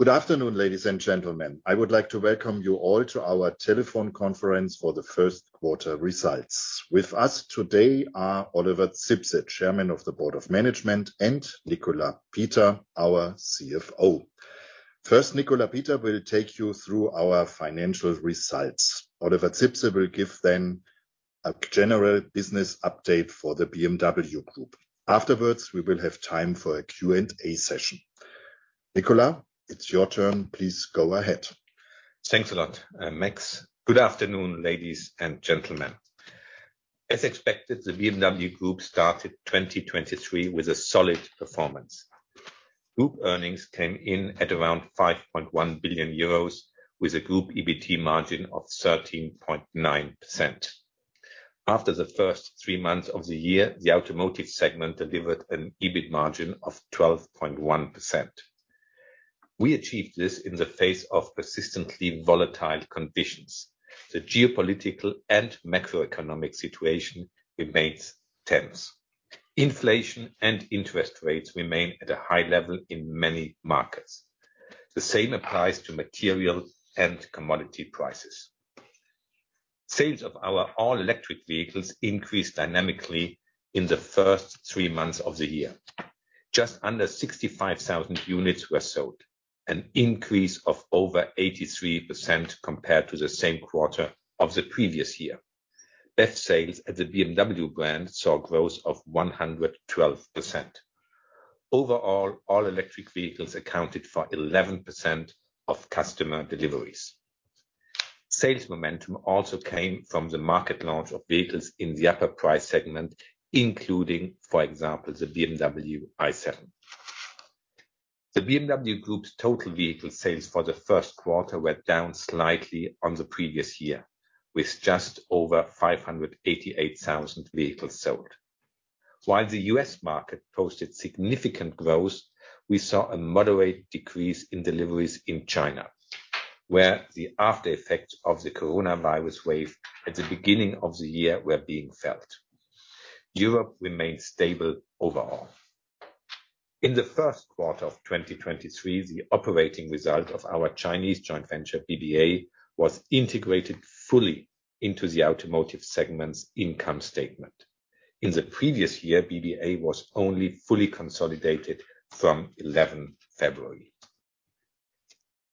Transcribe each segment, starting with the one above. Good afternoon, ladies and gentlemen. I would like to welcome you all to our telephone conference for the first quarter results. With us today are Oliver Zipse, Chairman of the Board of Management, and Nicolas Peter, our CFO. First, Nicolas Peter will take you through our financial results. Oliver Zipse will give then a general business update for the BMW Group. Afterwards, we will have time for a Q&A session. Nicolas, it's your turn. Please go ahead. Thanks a lot, Max. Good afternoon, ladies and gentlemen. As expected, the BMW Group started 2023 with a solid performance. Group earnings came in at around 5.1 billion euros, with a group EBT margin of 13.9%. After the first three months of the year, the automotive segment delivered an EBIT margin of 12.1%. We achieved this in the face of persistently volatile conditions. The geopolitical and macroeconomic situation remains tense. Inflation and interest rates remain at a high level in many markets. The same applies to material and commodity prices. Sales of our all-electric vehicles increased dynamically in the first three months of the year. Just under 65,000 units were sold, an increase of over 83% compared to the same quarter of the previous year. Best sales at the BMW brand saw growth of 112%. All electric vehicles accounted for 11% of customer deliveries. Sales momentum also came from the market launch of vehicles in the upper price segment, including, for example, the BMW i7. The BMW Group's total vehicle sales for the first quarter were down slightly on the previous year, with just over 588,000 vehicles sold. While the U.S. market posted significant growth, we saw a moderate decrease in deliveries in China, where the after effects of the coronavirus wave at the beginning of the year were being felt. Europe remained stable overall. In the first quarter of 2023, the operating result of our Chinese joint venture, BBA, was integrated fully into the automotive segment's income statement. In the previous year, BBA was only fully consolidated from eleventh February.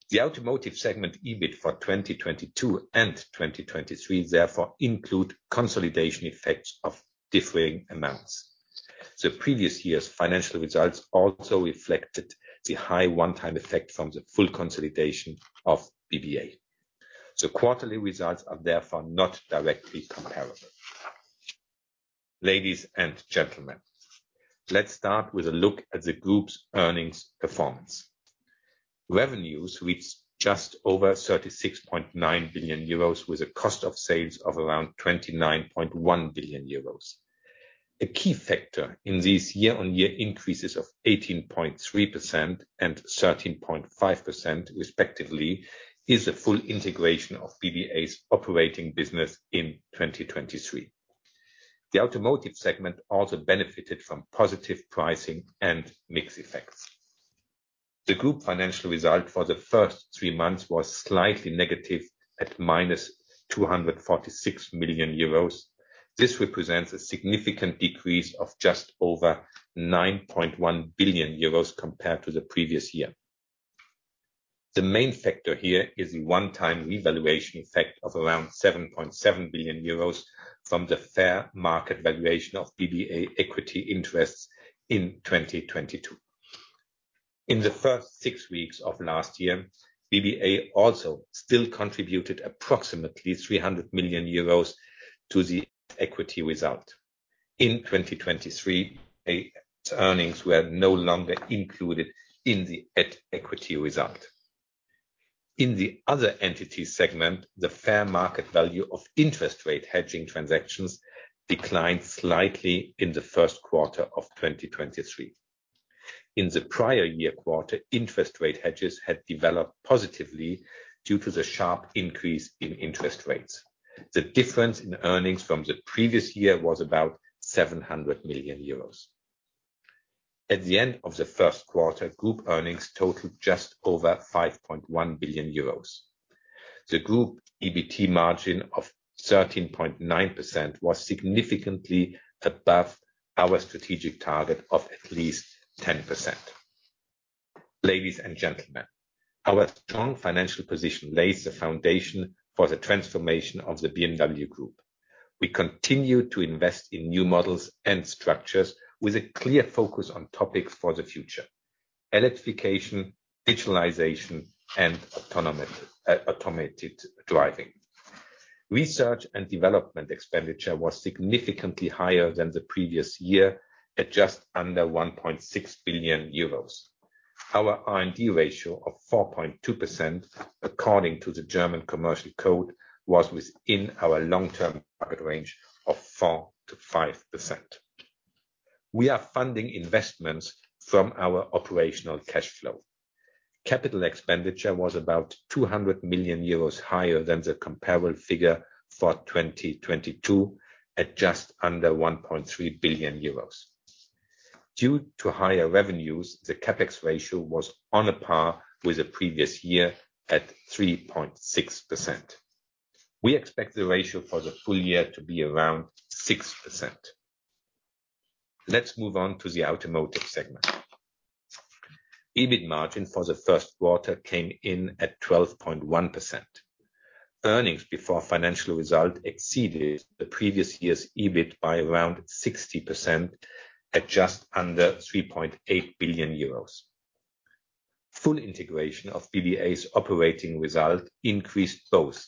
The automotive segment EBIT for 2022 and 2023 therefore include consolidation effects of differing amounts. The previous year's financial results also reflected the high one-time effect from the full consolidation of BBA. The quarterly results are therefore not directly comparable. Ladies and gentlemen, let's start with a look at the group's earnings performance. Revenues reached just over 36.9 billion euros, with a cost of sales of around 29.1 billion euros. A key factor in these year-on-year increases of 18.3% and 13.5% respectively, is the full integration of BBA's operating business in 2023. The automotive segment also benefited from positive pricing and mix effects. The group financial result for the first three months was slightly negative, at minus 246 million euros. This represents a significant decrease of just over 9.1 billion euros compared to the previous year. The main factor here is the one-time revaluation effect of around 7.7 billion euros from the fair market valuation of BBA equity interests in 2022. In the first six weeks of last year, BBA also still contributed approximately 300 million euros to the equity result. In 2023, its earnings were no longer included in the at-equity result. In the other entity segment, the fair market value of interest rate hedging transactions declined slightly in the first quarter of 2023. In the prior year quarter, interest rate hedges had developed positively due to the sharp increase in interest rates. The difference in earnings from the previous year was about 700 million euros. At the end of the first quarter, group earnings totaled just over 5.1 billion euros. The group EBT margin of 13.9% was significantly above our strategic target of at least 10%. Ladies and gentlemen, our strong financial position lays the foundation for the transformation of the BMW Group. We continue to invest in new models and structures with a clear focus on topics for the future: electrification, digitalization, and automated driving. Research and development expenditure was significantly higher than the previous year at just under 1.6 billion euros. Our R&D ratio of 4.2%, according to the German Commercial Code, was within our long-term target range of 4%-5%. We are funding investments from our operational cash flow. CapEx was about 200 million euros higher than the comparable figure for 2022 at just under 1.3 billion euros. Due to higher revenues, the CapEx ratio was on a par with the previous year at 3.6%. We expect the ratio for the full year to be around 6%. Let's move on to the automotive segment. EBIT margin for the first quarter came in at 12.1%. Earnings before financial result exceeded the previous year's EBIT by around 60% at just under 3.8 billion euros. Full integration of BBA's operating result increased both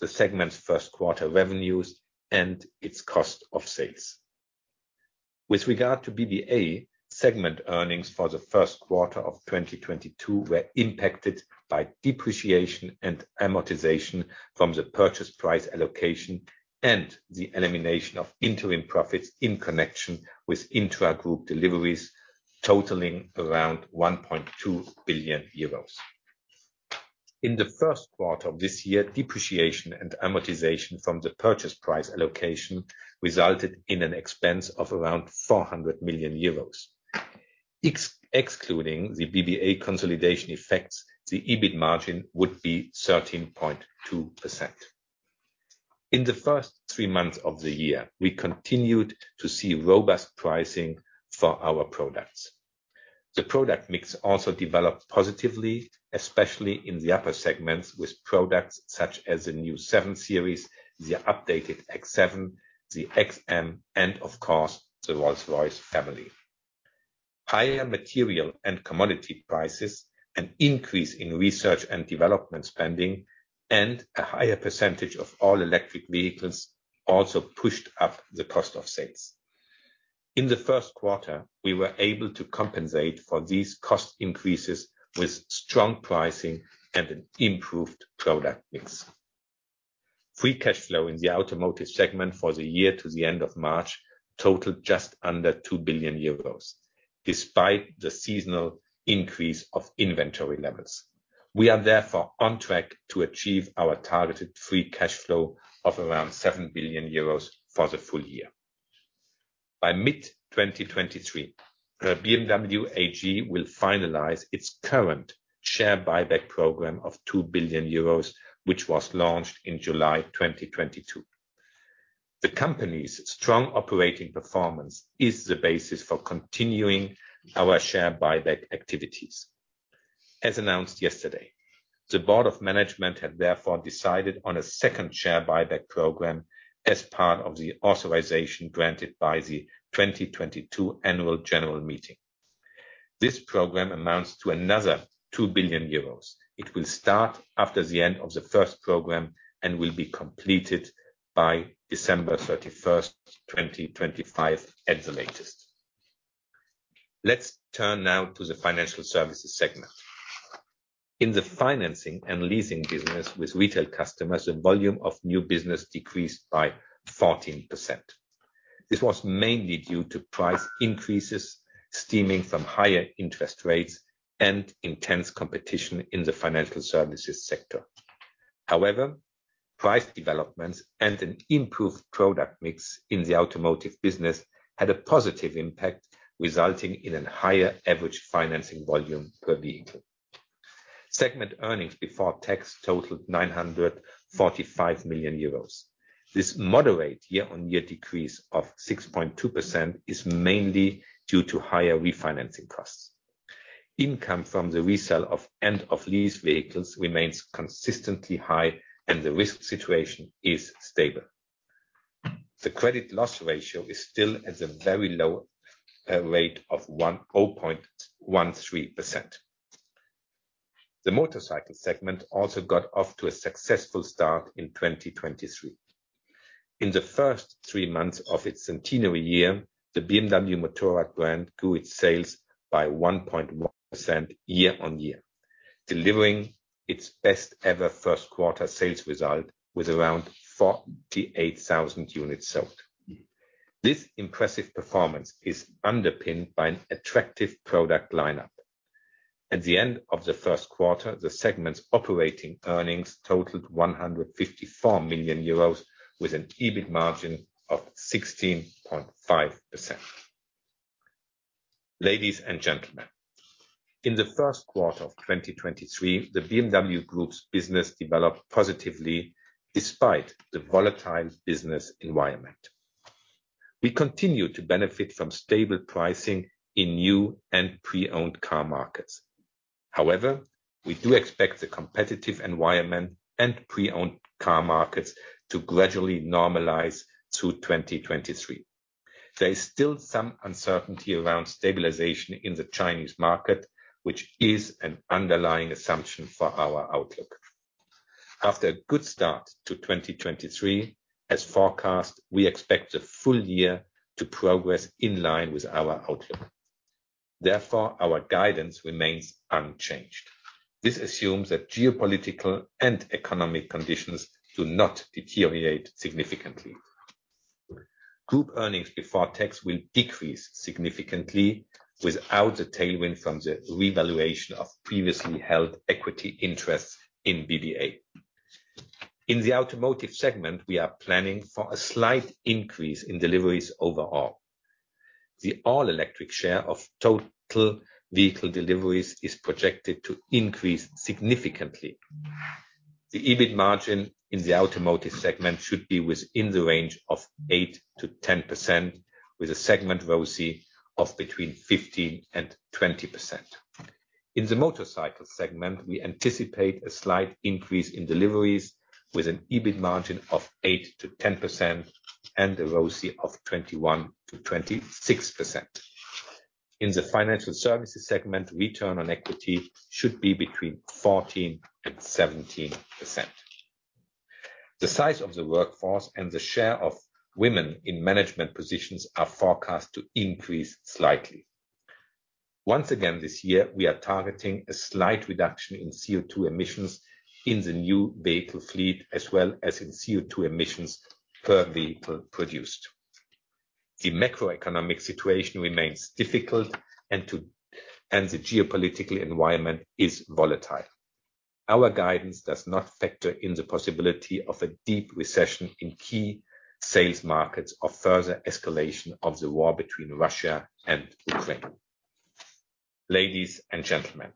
the segment's first quarter revenues and its cost of sales. With regard to BBA, segment earnings for the first quarter of 2022 were impacted by depreciation and amortization from the purchase price allocation and the elimination of interim profits in connection with intra-group deliveries totaling around 1.2 billion euros. In the first quarter of this year, depreciation and amortization from the purchase price allocation resulted in an expense of around 400 million euros. Excluding the BBA consolidation effects, the EBIT margin would be 13.2%. In the first three months of the year, we continued to see robust pricing for our products. The product mix also developed positively, especially in the upper segments, with products such as the new 7 Series, the updated X7, the XM, and of course, the Rolls-Royce family. Higher material and commodity prices, an increase in research and development spending, and a higher percentage of all-electric vehicles also pushed up the cost of sales. In the first quarter, we were able to compensate for these cost increases with strong pricing and an improved product mix. free cash flow in the automotive segment for the year to the end of March totaled just under 2 billion euros, despite the seasonal increase of inventory levels. We are therefore on track to achieve our targeted free cash flow of around 7 billion euros for the full year. By mid-2023, BMW AG will finalize its current share buyback program of 2 billion euros, which was launched in July 2022. The company's strong operating performance is the basis for continuing our share buyback activities. As announced yesterday, the board of management had therefore decided on a second share buyback program as part of the authorization granted by the 2022 annual general meeting. This program amounts to another 2 billion euros. It will start after the end of the first program and will be completed by December 31, 2025, at the latest. Let's turn now to the financial services segment. In the financing and leasing business with retail customers, the volume of new business decreased by 14%. This was mainly due to price increases stemming from higher interest rates and intense competition in the financial services sector. However, price developments and an improved product mix in the automotive business had a positive impact, resulting in an higher average financing volume per vehicle. Segment earnings before tax totaled 945 million euros. This moderate year-on-year decrease of 6.2% is mainly due to higher refinancing costs. Income from the resale of end-of-lease vehicles remains consistently high, and the risk situation is stable. The credit loss ratio is still at a very low rate of 0.13%. The motorcycle segment also got off to a successful start in 2023. In the first three months of its centenary year, the BMW Motorrad brand grew its sales by 1.1% year-on-year, delivering its best ever first quarter sales result with around 48,000 units sold. This impressive performance is underpinned by an attractive product lineup. At the end of the first quarter, the segment's operating earnings totaled 154 million euros with an EBIT margin of 16.5%. Ladies and gentlemen, in the first quarter of 2023, the BMW Group's business developed positively despite the volatile business environment. We continue to benefit from stable pricing in new and pre-owned car markets. However, we do expect the competitive environment and pre-owned car markets to gradually normalize through 2023. There is still some uncertainty around stabilization in the Chinese market, which is an underlying assumption for our outlook. After a good start to 2023, as forecast, we expect the full year to progress in line with our outlook. Therefore, our guidance remains unchanged. This assumes that geopolitical and economic conditions do not deteriorate significantly. Group earnings before tax will decrease significantly without a tailwind from the revaluation of previously held equity interests in BBA. In the automotive segment, we are planning for a slight increase in deliveries overall. The all-electric share of total vehicle deliveries is projected to increase significantly. The EBIT margin in the automotive segment should be within the range of 8%-10%, with a segment ROCE of between 15% and 20%. In the motorcycle segment, we anticipate a slight increase in deliveries with an EBIT margin of 8%-10% and a ROCE of 21%-26%. In the financial services segment, return on equity should be between 14% and 17%. The size of the workforce and the share of women in management positions are forecast to increase slightly. Once again, this year, we are targeting a slight reduction in CO₂ emissions in the new vehicle fleet as well as in CO₂ emissions per vehicle produced. The macroeconomic situation remains difficult and the geopolitical environment is volatile. Our guidance does not factor in the possibility of a deep recession in key sales markets or further escalation of the war between Russia and Ukraine. Ladies and gentlemen,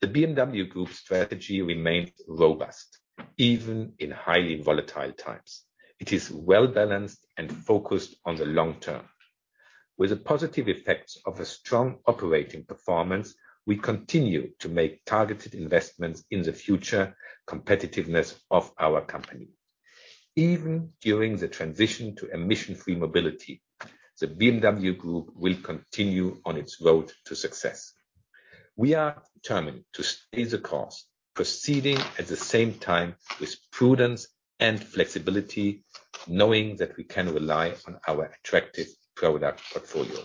the BMW Group strategy remains robust, even in highly volatile times. It is well-balanced and focused on the long term. With the positive effects of a strong operating performance, we continue to make targeted investments in the future competitiveness of our company. Even during the transition to emission-free mobility, the BMW Group will continue on its road to success. We are determined to stay the course, proceeding at the same time with prudence and flexibility, knowing that we can rely on our attractive product portfolio.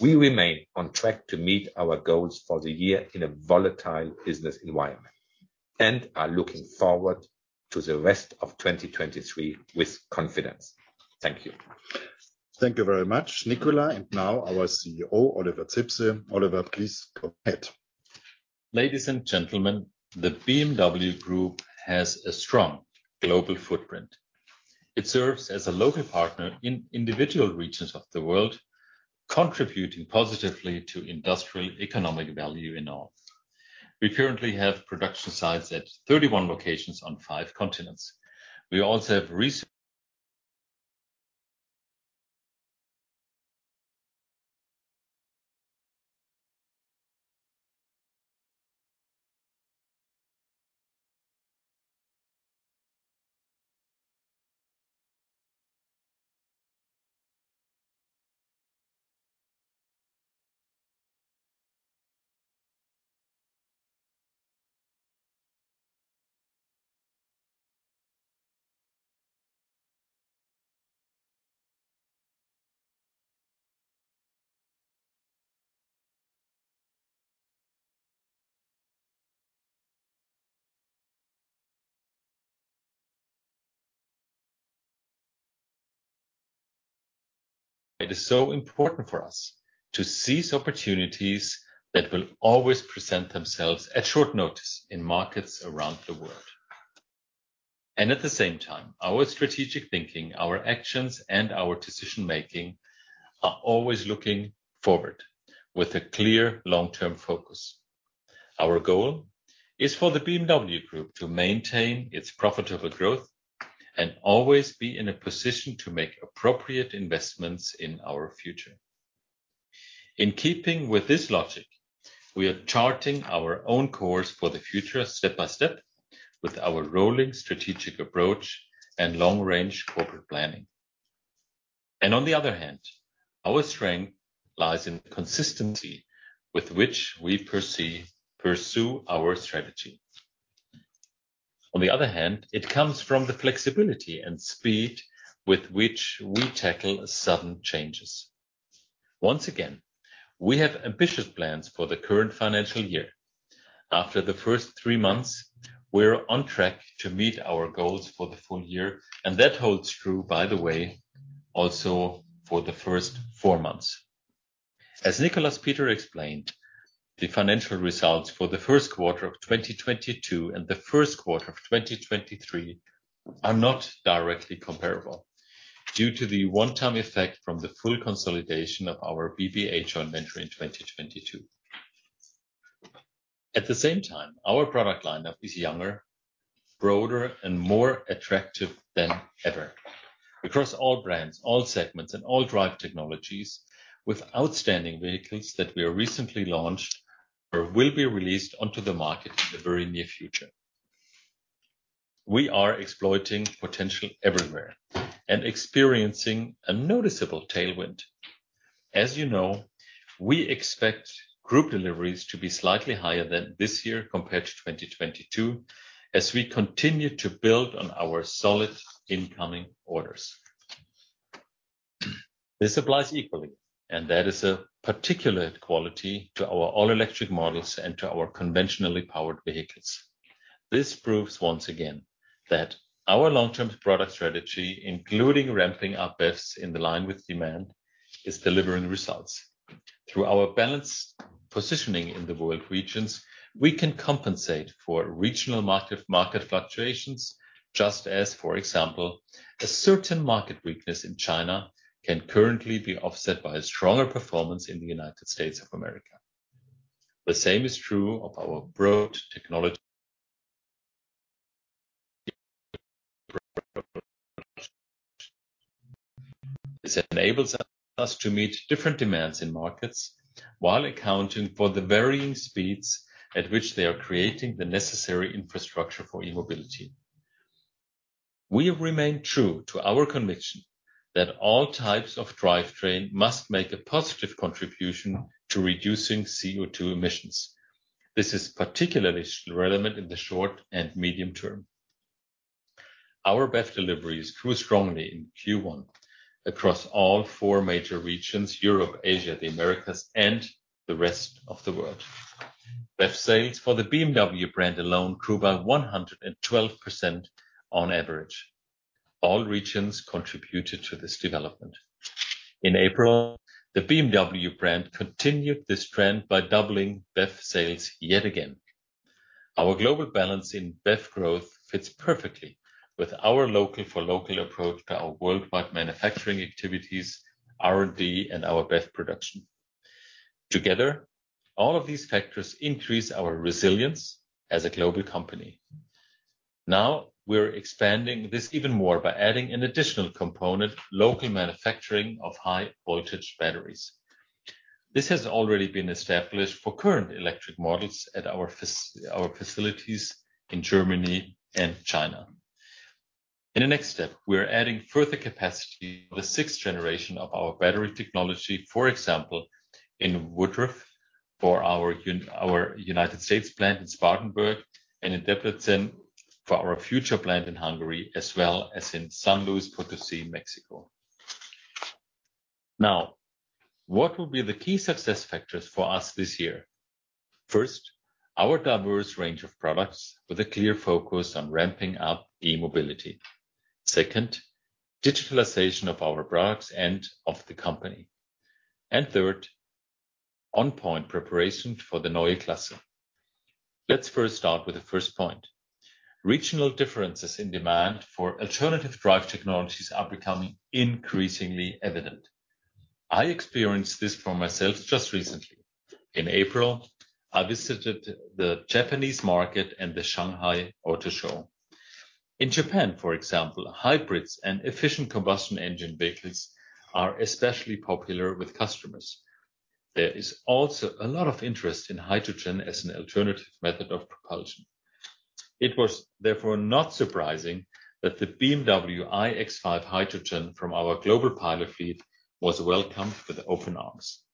We remain on track to meet our goals for the year in a volatile business environment and are looking forward to the rest of 2023 with confidence. Thank you. Thank you very much, Nicolas. Now our CEO, Oliver Zipse. Oliver, please go ahead. Ladies and gentlemen, the BMW Group has a strong global footprint. It serves as a local partner in individual regions of the world, contributing positively to industrial economic value in all. We currently have production sites at 31 locations on five continents. It is so important for us to seize opportunities that will always present themselves at short notice in markets around the world. At the same time, our strategic thinking, our actions, and our decision-making are always looking forward with a clear long-term focus. Our goal is for the BMW Group to maintain its profitable growth and always be in a position to make appropriate investments in our future. In keeping with this logic, we are charting our own course for the future step by step with our rolling strategic approach and long-range corporate planning. On the other hand, our strength lies in consistency with which we pursue our strategy. On the other hand, it comes from the flexibility and speed with which we tackle sudden changes. Once again, we have ambitious plans for the current financial year. After the first three months, we're on track to meet our goals for the full year, and that holds true, by the way, also for the first four months. As Nicolas Peter explained, the financial results for the first quarter of 2022 and the first quarter of 2023 are not directly comparable due to the one-time effect from the full consolidation of our BBA joint venture in 2022. At the same time, our product lineup is younger, broader, and more attractive than ever across all brands, all segments, and all drive technologies with outstanding vehicles that we have recently launched or will be released onto the market in the very near future. We are exploiting potential everywhere and experiencing a noticeable tailwind. As you know, we expect group deliveries to be slightly higher than this year compared to 2022, as we continue to build on our solid incoming orders. This applies equally, and that is a particular quality to our all-electric models and to our conventionally powered vehicles. This proves once again that our long-term product strategy, including ramping up BEVs in line with demand, is delivering results. Through our balanced positioning in the world regions, we can compensate for regional market fluctuations, just as, for example, a certain market weakness in China can currently be offset by a stronger performance in the United States of America. The same is true of our broad technology. This enables us to meet different demands in markets while accounting for the varying speeds at which they are creating the necessary infrastructure for e-mobility. We have remained true to our conviction that all types of drivetrain must make a positive contribution to reducing CO₂ emissions. This is particularly relevant in the short and medium term. Our BEV deliveries grew strongly in Q1 across all four major regions, Europe, Asia, the Americas, and the rest of the world. BEV sales for the BMW brand alone grew by 112% on average. All regions contributed to this development. In April, the BMW brand continued this trend by doubling BEV sales yet again. Our global balance in BEV growth fits perfectly with our local for local approach to our worldwide manufacturing activities, R&D, and our BEV production. Together, all of these factors increase our resilience as a global company. Now, we're expanding this even more by adding an additional component, local manufacturing of high voltage batteries. This has already been established for current electric models at our facilities in Germany and China. In the next step, we are adding further capacity, the sixth generation of our battery technology, for example, in Woodruff for our United States plant in Spartanburg and in Debrecen for our future plant in Hungary, as well as in San Luis Potosi, Mexico. Now, what will be the key success factors for us this year? First, our diverse range of products with a clear focus on ramping up e-mobility. Second, digitalization of our products and of the company. Third, on point preparation for the Neue Klasse. Let's first start with the first point. Regional differences in demand for alternative drive technologies are becoming increasingly evident. I experienced this for myself just recently. In April, I visited the Japanese market and the Shanghai Auto Show. In Japan, for example, hybrids and efficient combustion engine vehicles are especially popular with customers. There is also a lot of interest in hydrogen as an alternative method of propulsion. It was therefore not surprising that the BMW iX5 Hydrogen from our global pilot fleet was welcomed with open arms.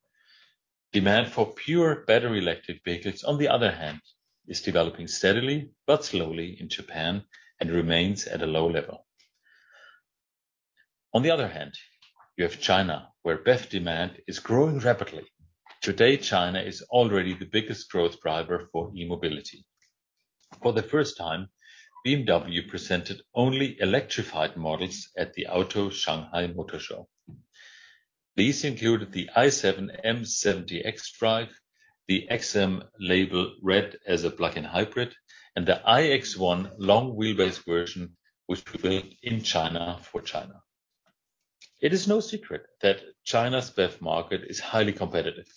Demand for pure battery electric vehicles, on the other hand, is developing steadily but slowly in Japan and remains at a low level. On the other hand, you have China, where BEV demand is growing rapidly. Today, China is already the biggest growth driver for e-mobility. For the first time, BMW presented only electrified models at the Auto Shanghai Motor Show. These included the i7 M70 xDrive, the XM Label Red as a plug-in hybrid, and the iX1 long wheelbase version, which were built in China for China. It is no secret that China's BEV market is highly competitive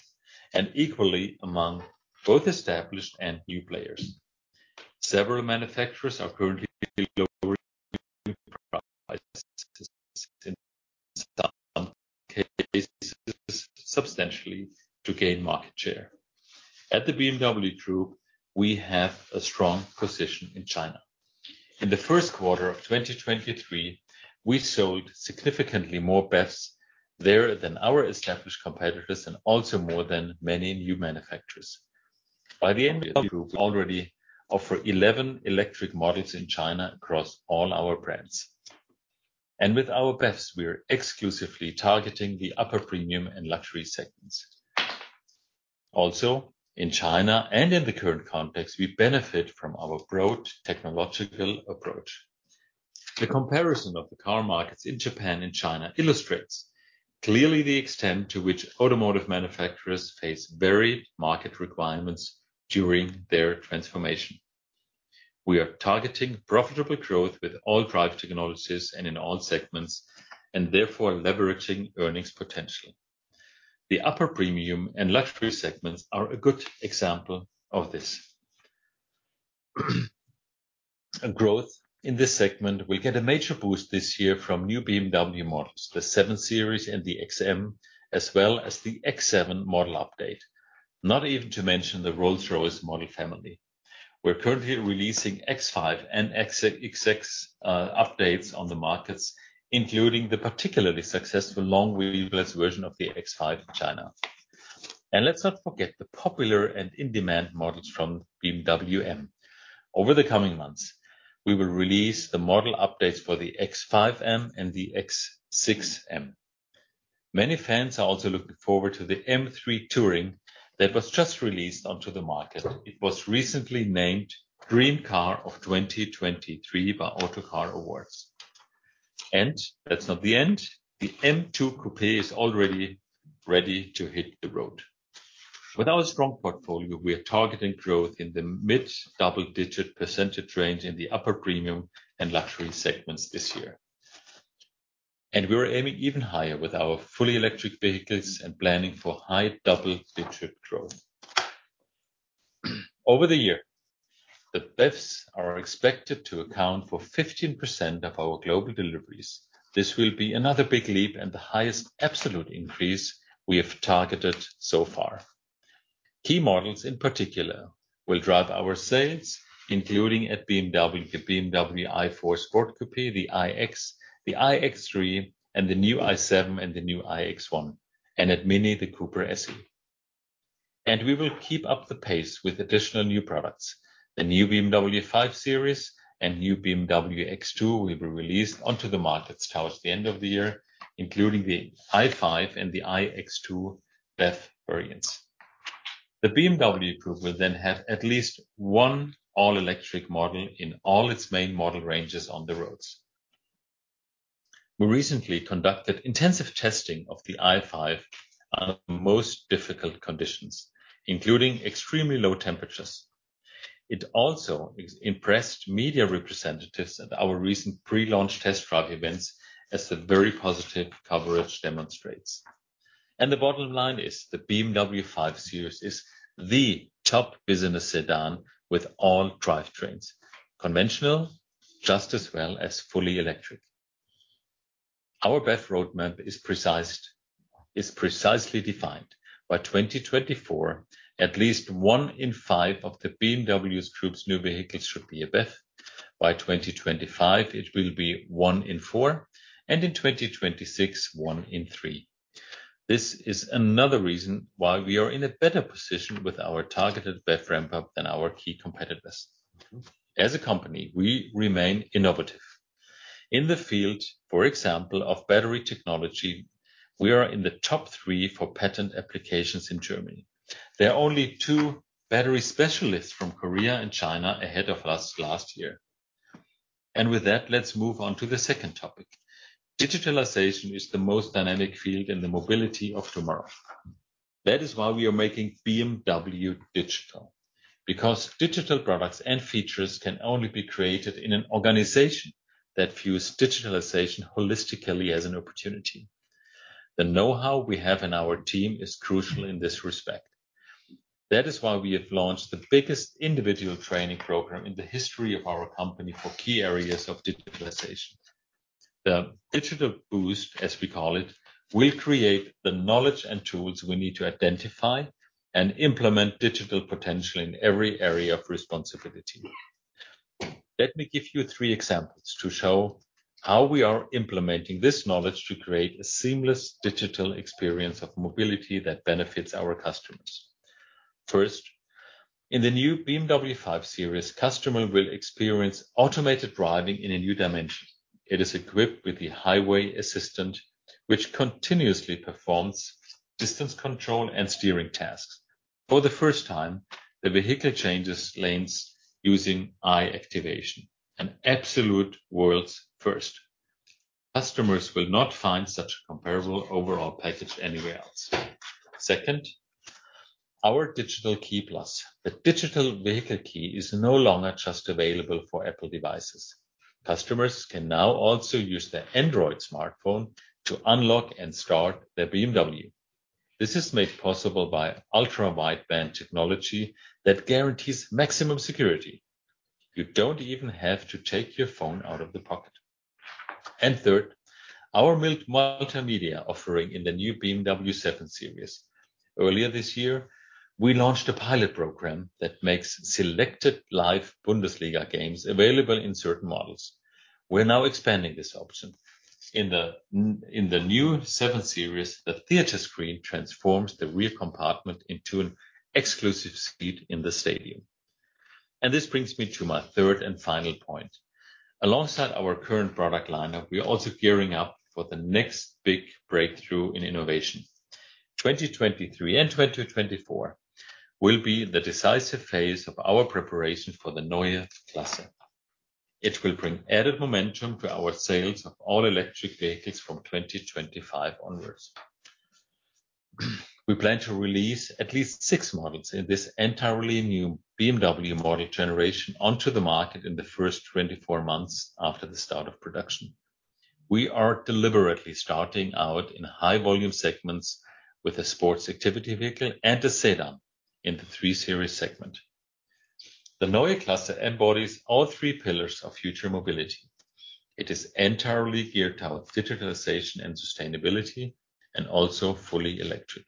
and equally among both established and new players. Several manufacturers are currently lowering substantially to gain market share. At the BMW Group, we have a strong position in China. In the first quarter of 2023, we sold significantly more BEVs there than our established competitors and also more than many new manufacturers. By the end of the group, we already offer 11 electric models in China across all our brands. With our BEVs, we are exclusively targeting the upper premium and luxury segments. In China and in the current context, we benefit from our broad technological approach. The comparison of the car markets in Japan and China illustrates clearly the extent to which automotive manufacturers face varied market requirements during their transformation. We are targeting profitable growth with all drive technologies and in all segments, and therefore leveraging earnings potential. The upper premium and luxury segments are a good example of this. A growth in this segment will get a major boost this year from new BMW models, the 7 Series and the XM, as well as the X7 model update. Not even to mention the Rolls-Royce model family. We're currently releasing X5 and X6 updates on the markets, including the particularly successful long wheelbase version of the X5 in China. Let's not forget the popular and in-demand models from BMW M. Over the coming months, we will release the model updates for the X5 M and the X6 M. Many fans are also looking forward to the M3 Touring that was just released onto the market. It was recently named Best Dream Car of 2023 by Autocar Awards. That's not the end. The M2 Coupé is already ready to hit the road. With our strong portfolio, we are targeting growth in the mid double-digit percentage range in the upper premium and luxury segments this year. We are aiming even higher with our fully electric vehicles and planning for high double-digit growth. Over the year, the BEVs are expected to account for 15% of our global deliveries. This will be another big leap and the highest absolute increase we have targeted so far. Key models in particular will drive our sales, including at BMW, the BMW i4 Sport Coupe, the iX, the iX3, and the new i7 and the new iX1, and at MINI, the Cooper SE. We will keep up the pace with additional new products. The new BMW 5 Series and new BMW X2 will be released onto the markets towards the end of the year, including the i5 and the iX2 BEV variants. The BMW Group will then have at least one all-electric model in all its main model ranges on the roads. We recently conducted intensive testing of the i5 under most difficult conditions, including extremely low temperatures. It also impressed media representatives at our recent pre-launch test drive events, as the very positive coverage demonstrates. The BMW 5 Series is the top business sedan with all drivetrains, conventional just as well as fully electric. Our BEV roadmap is precisely defined. By 2024, at least one in five of the BMW Group's new vehicles should be a BEV. By 2025, it will be one in four. In 2026, one in three. This is another reason why we are in a better position with our targeted BEV ramp-up than our key competitors. As a company, we remain innovative. In the field, for example, of battery technology, we are in the top three for patent applications in Germany. There are only two battery specialists from Korea and China ahead of us last year. With that, let's move on to the second topic. Digitalization is the most dynamic field in the mobility of tomorrow. That is why we are making BMW Digital, because digital products and features can only be created in an organization that views digitalization holistically as an opportunity. The know-how we have in our team is crucial in this respect. That is why we have launched the biggest individual training program in the history of our company for key areas of digitalization. The Digital Boost, as we call it, will create the knowledge and tools we need to identify and implement digital potential in every area of responsibility. Let me give you three examples to show how we are implementing this knowledge to create a seamless digital experience of mobility that benefits our customers. First, in the new BMW 5 Series, customer will experience automated driving in a new dimension. It is equipped with the Highway Assistant, which continuously performs distance control and steering tasks. For the first time, the vehicle changes lanes using eye activation, an absolute world's first. Customers will not find such a comparable overall package anywhere else. Second, our Digital Key Plus. The digital vehicle key is no longer just available for Apple devices. Customers can now also use their Android smartphone to unlock and start their BMW. This is made possible by ultra-wideband technology that guarantees maximum security. You don't even have to take your phone out of the pocket. Third, our multimedia offering in the new BMW 7 Series. Earlier this year, we launched a pilot program that makes selected live Bundesliga games available in certain models. We're now expanding this option. In the in the new 7 Series, the Theatre Screen transforms the rear compartment into an exclusive seat in the stadium. This brings me to my third and final point. Alongside our current product lineup, we are also gearing up for the next big breakthrough in innovation. 2023 and 2024 will be the decisive phase of our preparation for the Neue Klasse. It will bring added momentum to our sales of all-electric vehicles from 2025 onwards. We plan to release at least 6 models in this entirely new BMW model generation onto the market in the first 24 months after the start of production. We are deliberately starting out in high volume segments with a Sports Activity Vehicle and a sedan in the 3 Series segment. The Neue Klasse embodies all three pillars of future mobility. It is entirely geared towards digitalization and sustainability. Also fully electric.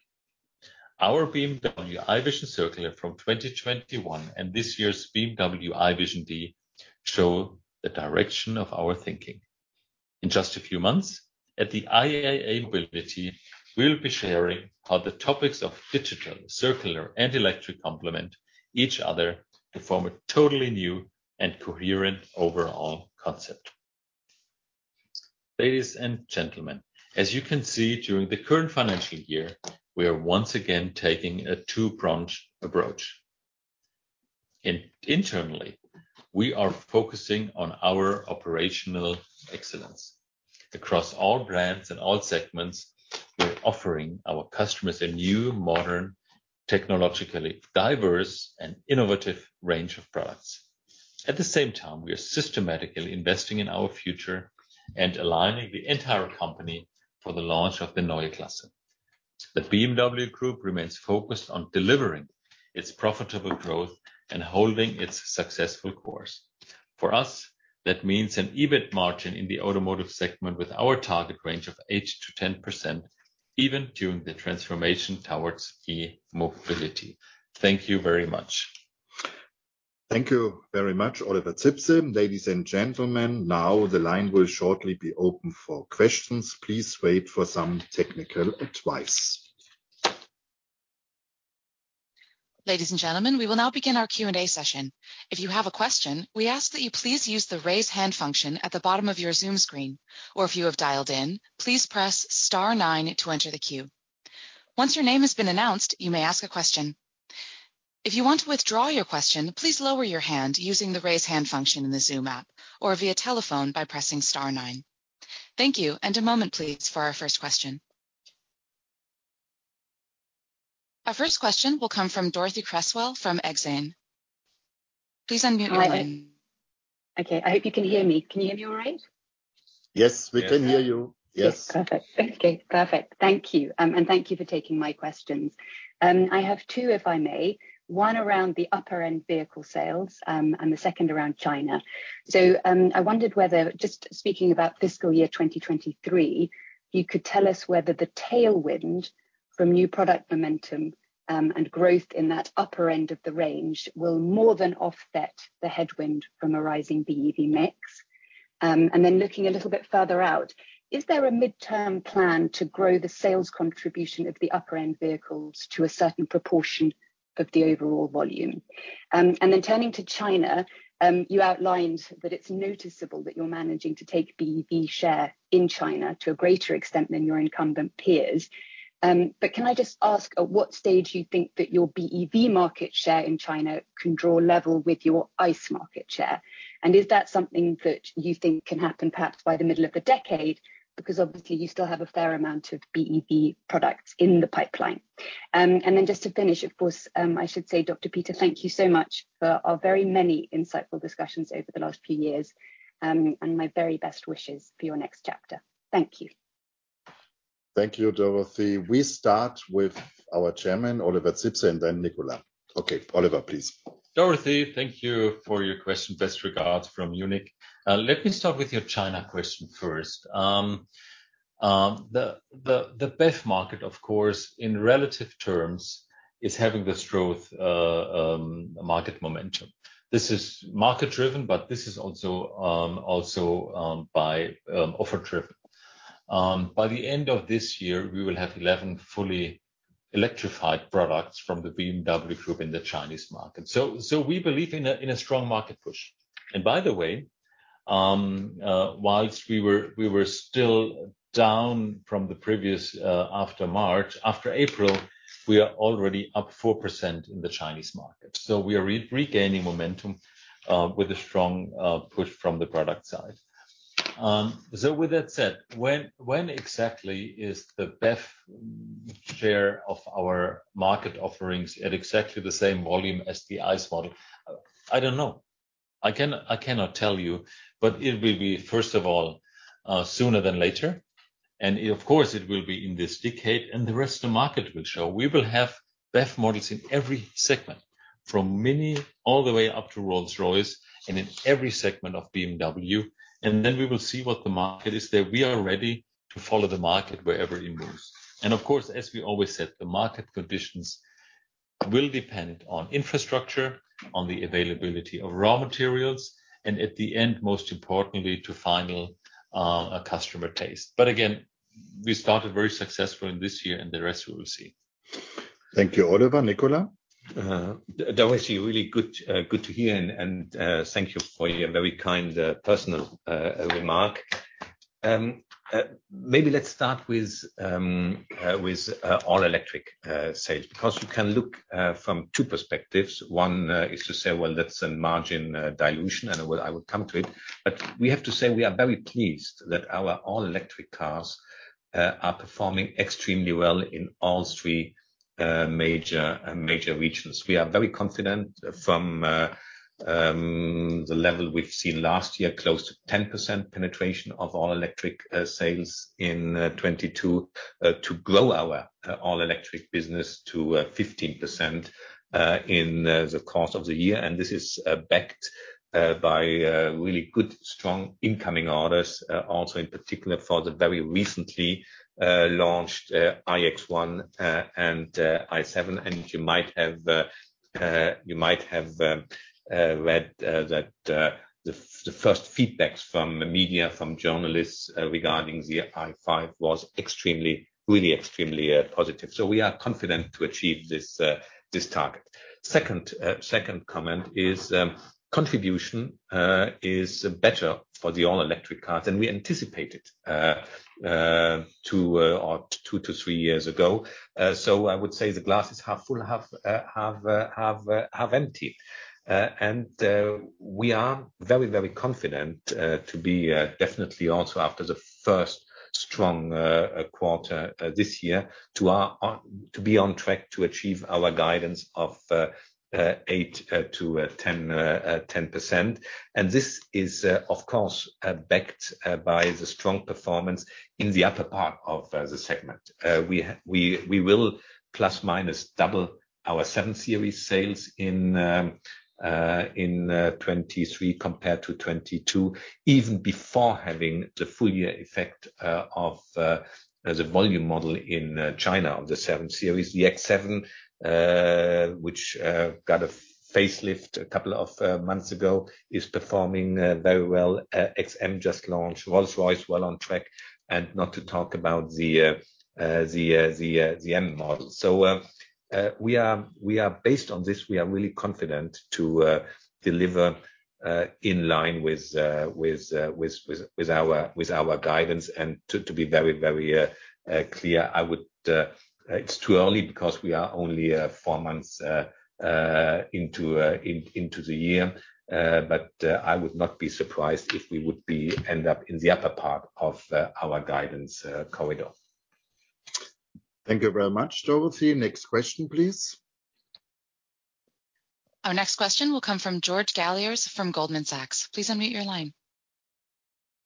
Our BMW i Vision Circular from 2021 and this year's BMW i Vision Dee show the direction of our thinking. In just a few months at the IAA Mobility, we'll be sharing how the topics of digital, circular, and electric complement each other to form a totally new and coherent overall concept. Ladies and gentlemen, as you can see during the current financial year, we are once again taking a two-pronged approach. Internally, we are focusing on our operational excellence. Across all brands and all segments, we're offering our customers a new, modern, technologically diverse and innovative range of products. At the same time, we are systematically investing in our future and aligning the entire company for the launch of the Neue Klasse. The BMW Group remains focused on delivering its profitable growth and holding its successful course. For us, that means an EBIT margin in the automotive segment with our target range of 8%-10% even during the transformation towards e-mobility. Thank you very much. Thank you very much, Oliver Zipse. Ladies and gentlemen, now the line will shortly be open for questions. Please wait for some technical advice. Ladies and gentlemen, we will now begin our Q&A session. If you have a question, we ask that you please use the Raise Hand function at the bottom of your Zoom screen. If you have dialed in, please press star nine to enter the queue. Once your name has been announced, you may ask a question. If you want to withdraw your question, please lower your hand using the Raise Hand function in the Zoom app or via telephone by pressing star nine. Thank you. A moment please for our first question. Our first question will come from Dorothee Cresswell from Exane. Please unmute your line. Okay, I hope you can hear me. Can you hear me all right? Yes, we can hear you. Yes. Yes. Perfect. Okay, perfect. Thank you. And thank you for taking my questions. I have two, if I may. One around the upper-end vehicle sales, and the second around China. I wondered whether, just speaking about fiscal year 2023, you could tell us whether the tailwind from new product momentum, and growth in that upper end of the range will more than offset the headwind from a rising BEV mix. And then looking a little bit further out, is there a midterm plan to grow the sales contribution of the upper-end vehicles to a certain proportion of the overall volume? And then turning to China, you outlined that it's noticeable that you're managing to take BEV share in China to a greater extent than your incumbent peers. Can I just ask at what stage you think that your BEV market share in China can draw level with your ICE market share? Is that something that you think can happen perhaps by the middle of the decade? Because obviously you still have a fair amount of BEV products in the pipeline. Just to finish, of course, I should say, Dr. Peter, thank you so much for our very many insightful discussions over the last few years, and my very best wishes for your next chapter. Thank you. Thank you, Dorothee. We start with our Chairman, Oliver Zipse, and then Nicolas. Okay, Oliver, please. Dorothee, thank you for your question. Best regards from Munich. Let me start with your China question first. The BEV market, of course, in relative terms, is having the strong market momentum. This is market-driven, but this is also offer driven. By the end of this year, we will have 11 fully electrified products from the BMW Group in the Chinese market. We believe in a strong market push. And by the way, whilst we were still down from the previous, after March, after April, we are already up 4% in the Chinese market. We are regaining momentum with a strong push from the product side. With that said, when exactly is the BEV share of our market offerings at exactly the same volume as the ICE model? I don't know. I cannot tell you, but it will be first of all sooner than later. Of course it will be in this decade, and the rest the market will show. We will have BEV models in every segment, from MINI all the way up to Rolls-Royce, and in every segment of BMW. We will see what the market is there. We are ready to follow the market wherever it moves. Of course, as we always said, the market conditions will depend on infrastructure, on the availability of raw materials, and at the end, most importantly, to final customer taste. Again, we started very successful in this year, and the rest we will see. Thank you, Oliver. Nicolas? Dorothee, really good to hear and thank you for your very kind personal remark. Maybe let's start with all electric sales, because you can look from two perspectives. One is to say, well, that's a margin dilution, and I will come to it. But we have to say we are very pleased that our all electric cars are performing extremely well in all three major regions. We are very confident from the level we've seen last year, close to 10% penetration of all electric sales in 2022, to grow our all electric business to 15% in the course of the year. This is backed by really good, strong incoming orders, also in particular for the very recently launched iX1 and i7. You might have read that the first feedbacks from the media, from journalists regarding the i5 was really extremely positive. We are confident to achieve this target. Second comment is contribution is better for the all-electric cars than we anticipated two to three years ago. I would say the glass is half full, half empty. We are very, very confident to be definitely also after the first strong quarter this year to our... to be on track to achieve our guidance of 8%-10%. This is, of course, backed by the strong performance in the upper part of the segment. We will ± double our 7 Series sales in 2023 compared to 2022, even before having the full year effect of the volume model in China of the 7 Series. The X7, which got a facelift a couple of months ago, is performing very well. XM just launched. Rolls-Royce well on track. Not to talk about the M model. We are based on this, we are really confident to deliver in line with our guidance. To be very clear, I would it's too early because we are only four months into the year. I would not be surprised if we would be end up in the upper part of our guidance corridor. Thank you very much, Dorothee. Next question, please. Our next question will come from George Galliers from Goldman Sachs. Please unmute your line.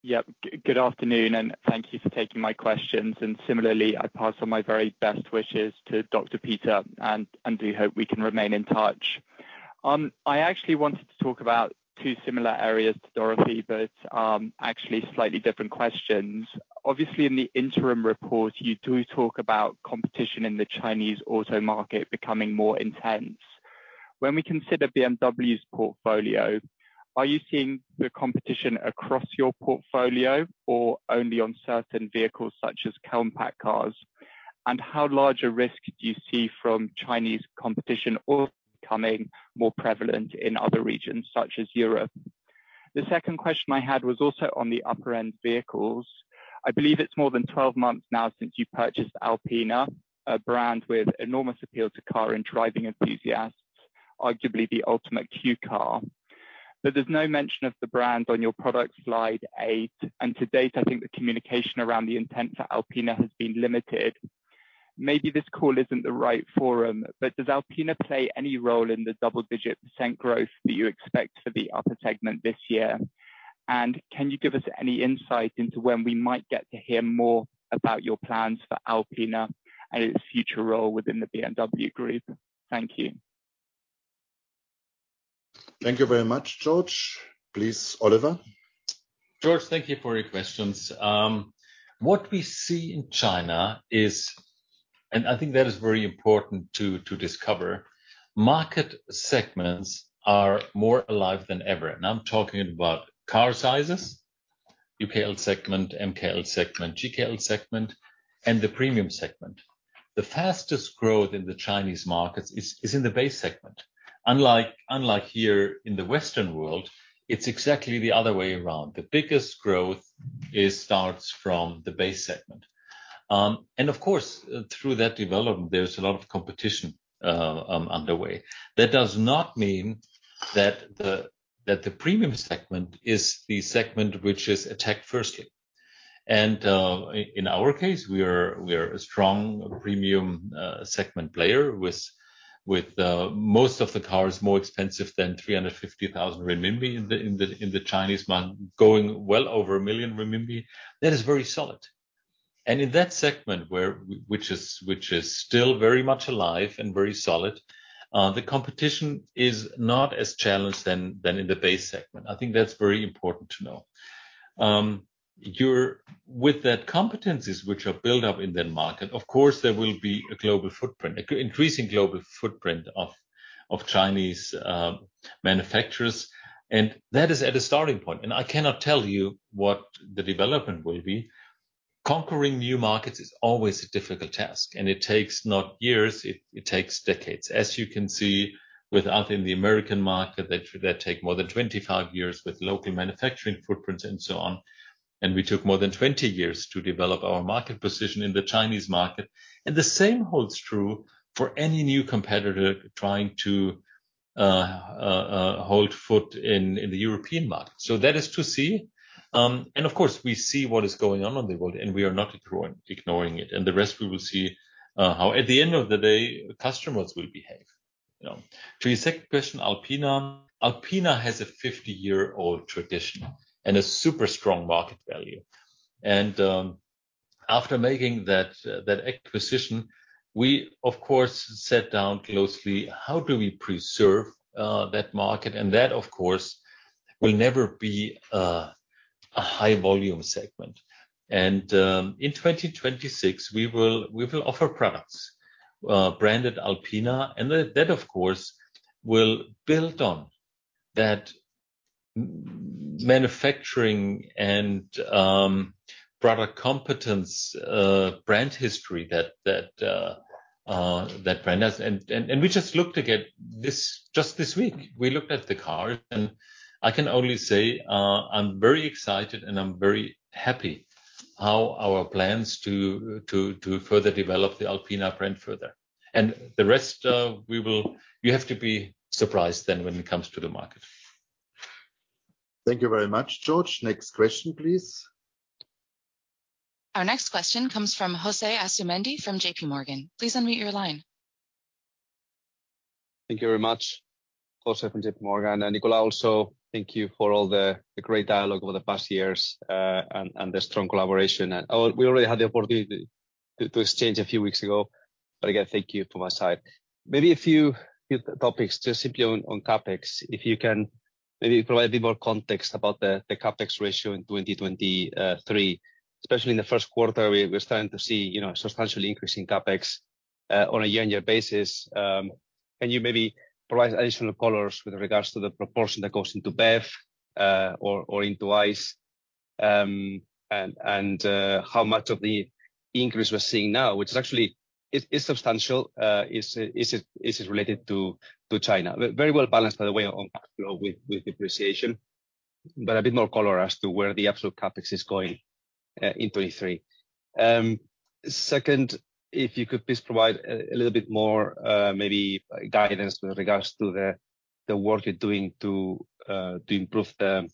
Yep. Good afternoon and thank you for taking my questions. Similarly, I pass on my very best wishes to Dr. Peter and do hope we can remain in touch. I actually wanted to talk about two similar areas to Dorothee, but actually slightly different questions. Obviously, in the interim report you do talk about competition in the Chinese auto market becoming more intense. When we consider BMW's portfolio, are you seeing the competition across your portfolio or only on certain vehicles such as compact cars? How large a risk do you see from Chinese competition or becoming more prevalent in other regions such as Europe? The second question I had was also on the upper end vehicles. I believe it's more than 12 months now since you purchased Alpina, a brand with enormous appeal to car and driving enthusiasts, arguably the ultimate Q car. There's no mention of the brand on your product slide A. To date, I think the communication around the intent for Alpina has been limited. Maybe this call isn't the right forum, but does Alpina play any role in the double-digit % growth that you expect for the upper segment this year? Can you give us any insight into when we might get to hear more about your plans for Alpina and its future role within the BMW Group? Thank you. Thank you very much, George. Please, Oliver. George, thank you for your questions. What we see in China is, and I think that is very important to discover, market segments are more alive than ever. Now I'm talking about car sizes, UKL segment, MKL segment, GKL segment, and the premium segment. The fastest growth in the Chinese markets is in the base segment. Unlike here in the Western world, it's exactly the other way around. The biggest growth is starts from the base segment. Of course, through that development, there's a lot of competition underway. That does not mean that the premium segment is the segment which is attacked firstly. In our case, we are a strong premium segment player with most of the cars more expensive than 350,000 renminbi in the Chinese man, going well over 1 million renminbi. That is very solid. In that segment where which is still very much alive and very solid, the competition is not as challenged than in the base segment. I think that's very important to know. With that competencies which are built up in that market, of course, there will be a global footprint, increasing global footprint of Chinese manufacturers, and that is at a starting point. I cannot tell you what the development will be. Conquering new markets is always a difficult task, and it takes not years, it takes decades. As you can see with out in the American market, that take more than 25 years with local manufacturing footprints and so on. We took more than 20 years to develop our market position in the Chinese market. The same holds true for any new competitor trying to hold foot in the European market. That is to see. Of course, we see what is going on in the world, and we are not ignoring it. The rest we will see how at the end of the day customers will behave, you know. To your second question, Alpina. Alpina has a 50-year-old tradition and a super strong market value. After making that acquisition, we of course, sat down closely, how do we preserve that market? That of course, will never be a high volume segment. In 2026, we will offer products branded Alpina, that of course, will build on that manufacturing and product competence, brand history that brand has. We just looked again this, just this week, we looked at the car, and I can only say, I'm very excited and I'm very happy how our plans to further develop the Alpina brand further. The rest, you have to be surprised then when it comes to the market. Thank you very much, George. Next question, please. Our next question comes from José Asumendi from JPMorgan. Please unmute your line. Thank you very much. José from JPMorgan. Nicolas also, thank you for all the great dialogue over the past years and the strong collaboration. We already had the opportunity to exchange a few weeks ago, but again, thank you from my side. Maybe a few topics just simply on CapEx, if you can maybe provide a bit more context about the CapEx ratio in 2023. Especially in the first quarter, We're starting to see, you know, substantially increasing CapEx on a year-on-year basis. Can you maybe provide additional colors with regards to the proportion that goes into BEV or into ICE, and how much of the increase we're seeing now, which actually is substantial, is related to China. Very well-balanced, by the way, on cash flow with depreciation, but a bit more color as to where the absolute CapEx is going in 23. Second, if you could please provide a little bit more maybe guidance with regards to the work you're doing to improve the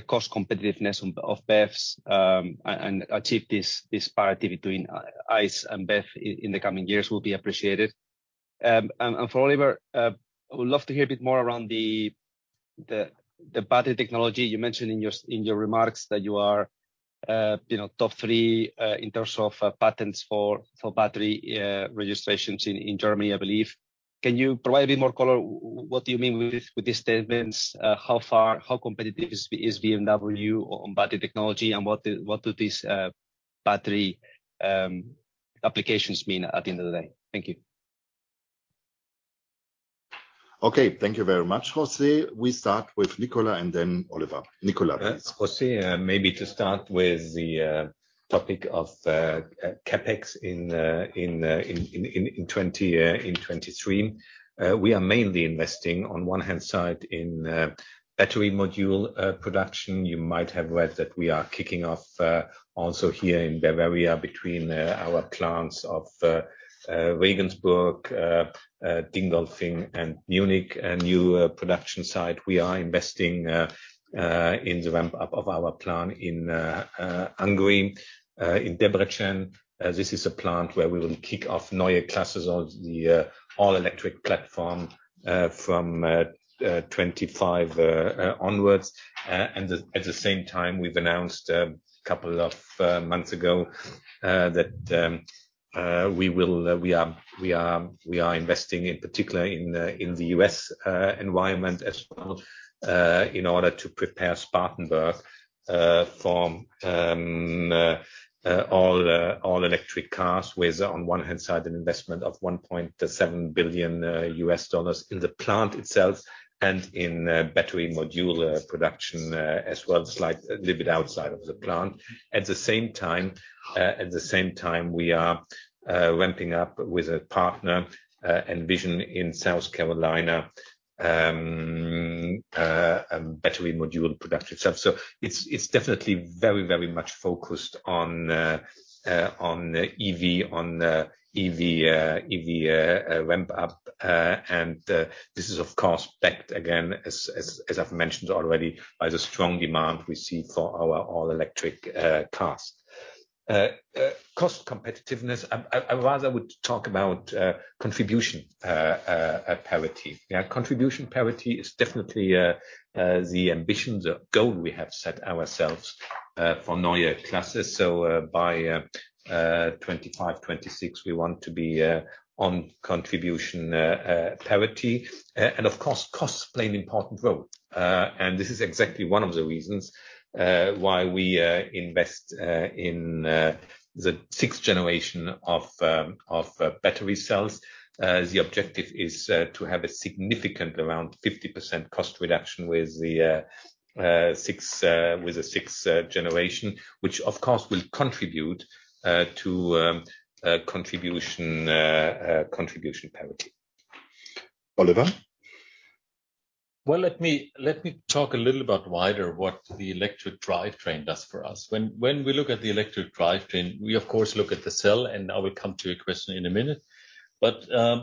cost competitiveness of BEVs, and achieve this parity between ICE and BEV in the coming years will be appreciated. And for Oliver, I would love to hear a bit more around the battery technology. You mentioned in your remarks that you are, you know, top three in terms of patents for battery registrations in Germany, I believe. Can you provide a bit more color? What do you mean with these statements? How far, how competitive is BMW on battery technology, and what do these battery applications mean at the end of the day? Thank you. Okay. Thank you very much, José. We start with Nicolas and then Oliver. Nicolas, please. José, maybe to start with the topic of CapEx in 2023. We are mainly investing, on one hand side, in battery module production. You might have read that we are kicking off also here in Bavaria between our plants of Regensburg, Dingolfing, and Munich, a new production site. We are investing in the ramp up of our plant in Hungary, in Debrecen. This is a plant where we will kick off Neue Klasse, the all-electric platform, from 2025 onwards. At the same time, we've announced a couple of months ago that we are investing in particular in the U.S. environment as well in order to prepare Spartanburg for all-electric cars with, on one hand side, an investment of $1.7 billion in the plant itself and in battery module production as well, a little bit outside of the plant. At the same time, at the same time, we are ramping up with a partner, Envision, in South Carolina a battery module production itself. It's definitely very, very much focused on EV ramp up. This is of course backed again, as I've mentioned already, by the strong demand we see for our all-electric cars. Cost competitiveness. I rather would talk about contribution parity. Contribution parity is definitely the ambitions or goal we have set ourselves for Neue Klasse. By 2025, 2026, we want to be on contribution parity. Of course, costs play an important role. This is exactly one of the reasons why we invest in the sixth generation of battery cells. The objective is to have a significant, around 50% cost reduction with the sixth generation, which of course will contribute to contribution parity. Oliver? Well, let me talk a little about wider what the electric drivetrain does for us. When we look at the electric drivetrain, we of course, look at the cell, and I will come to your question in a minute.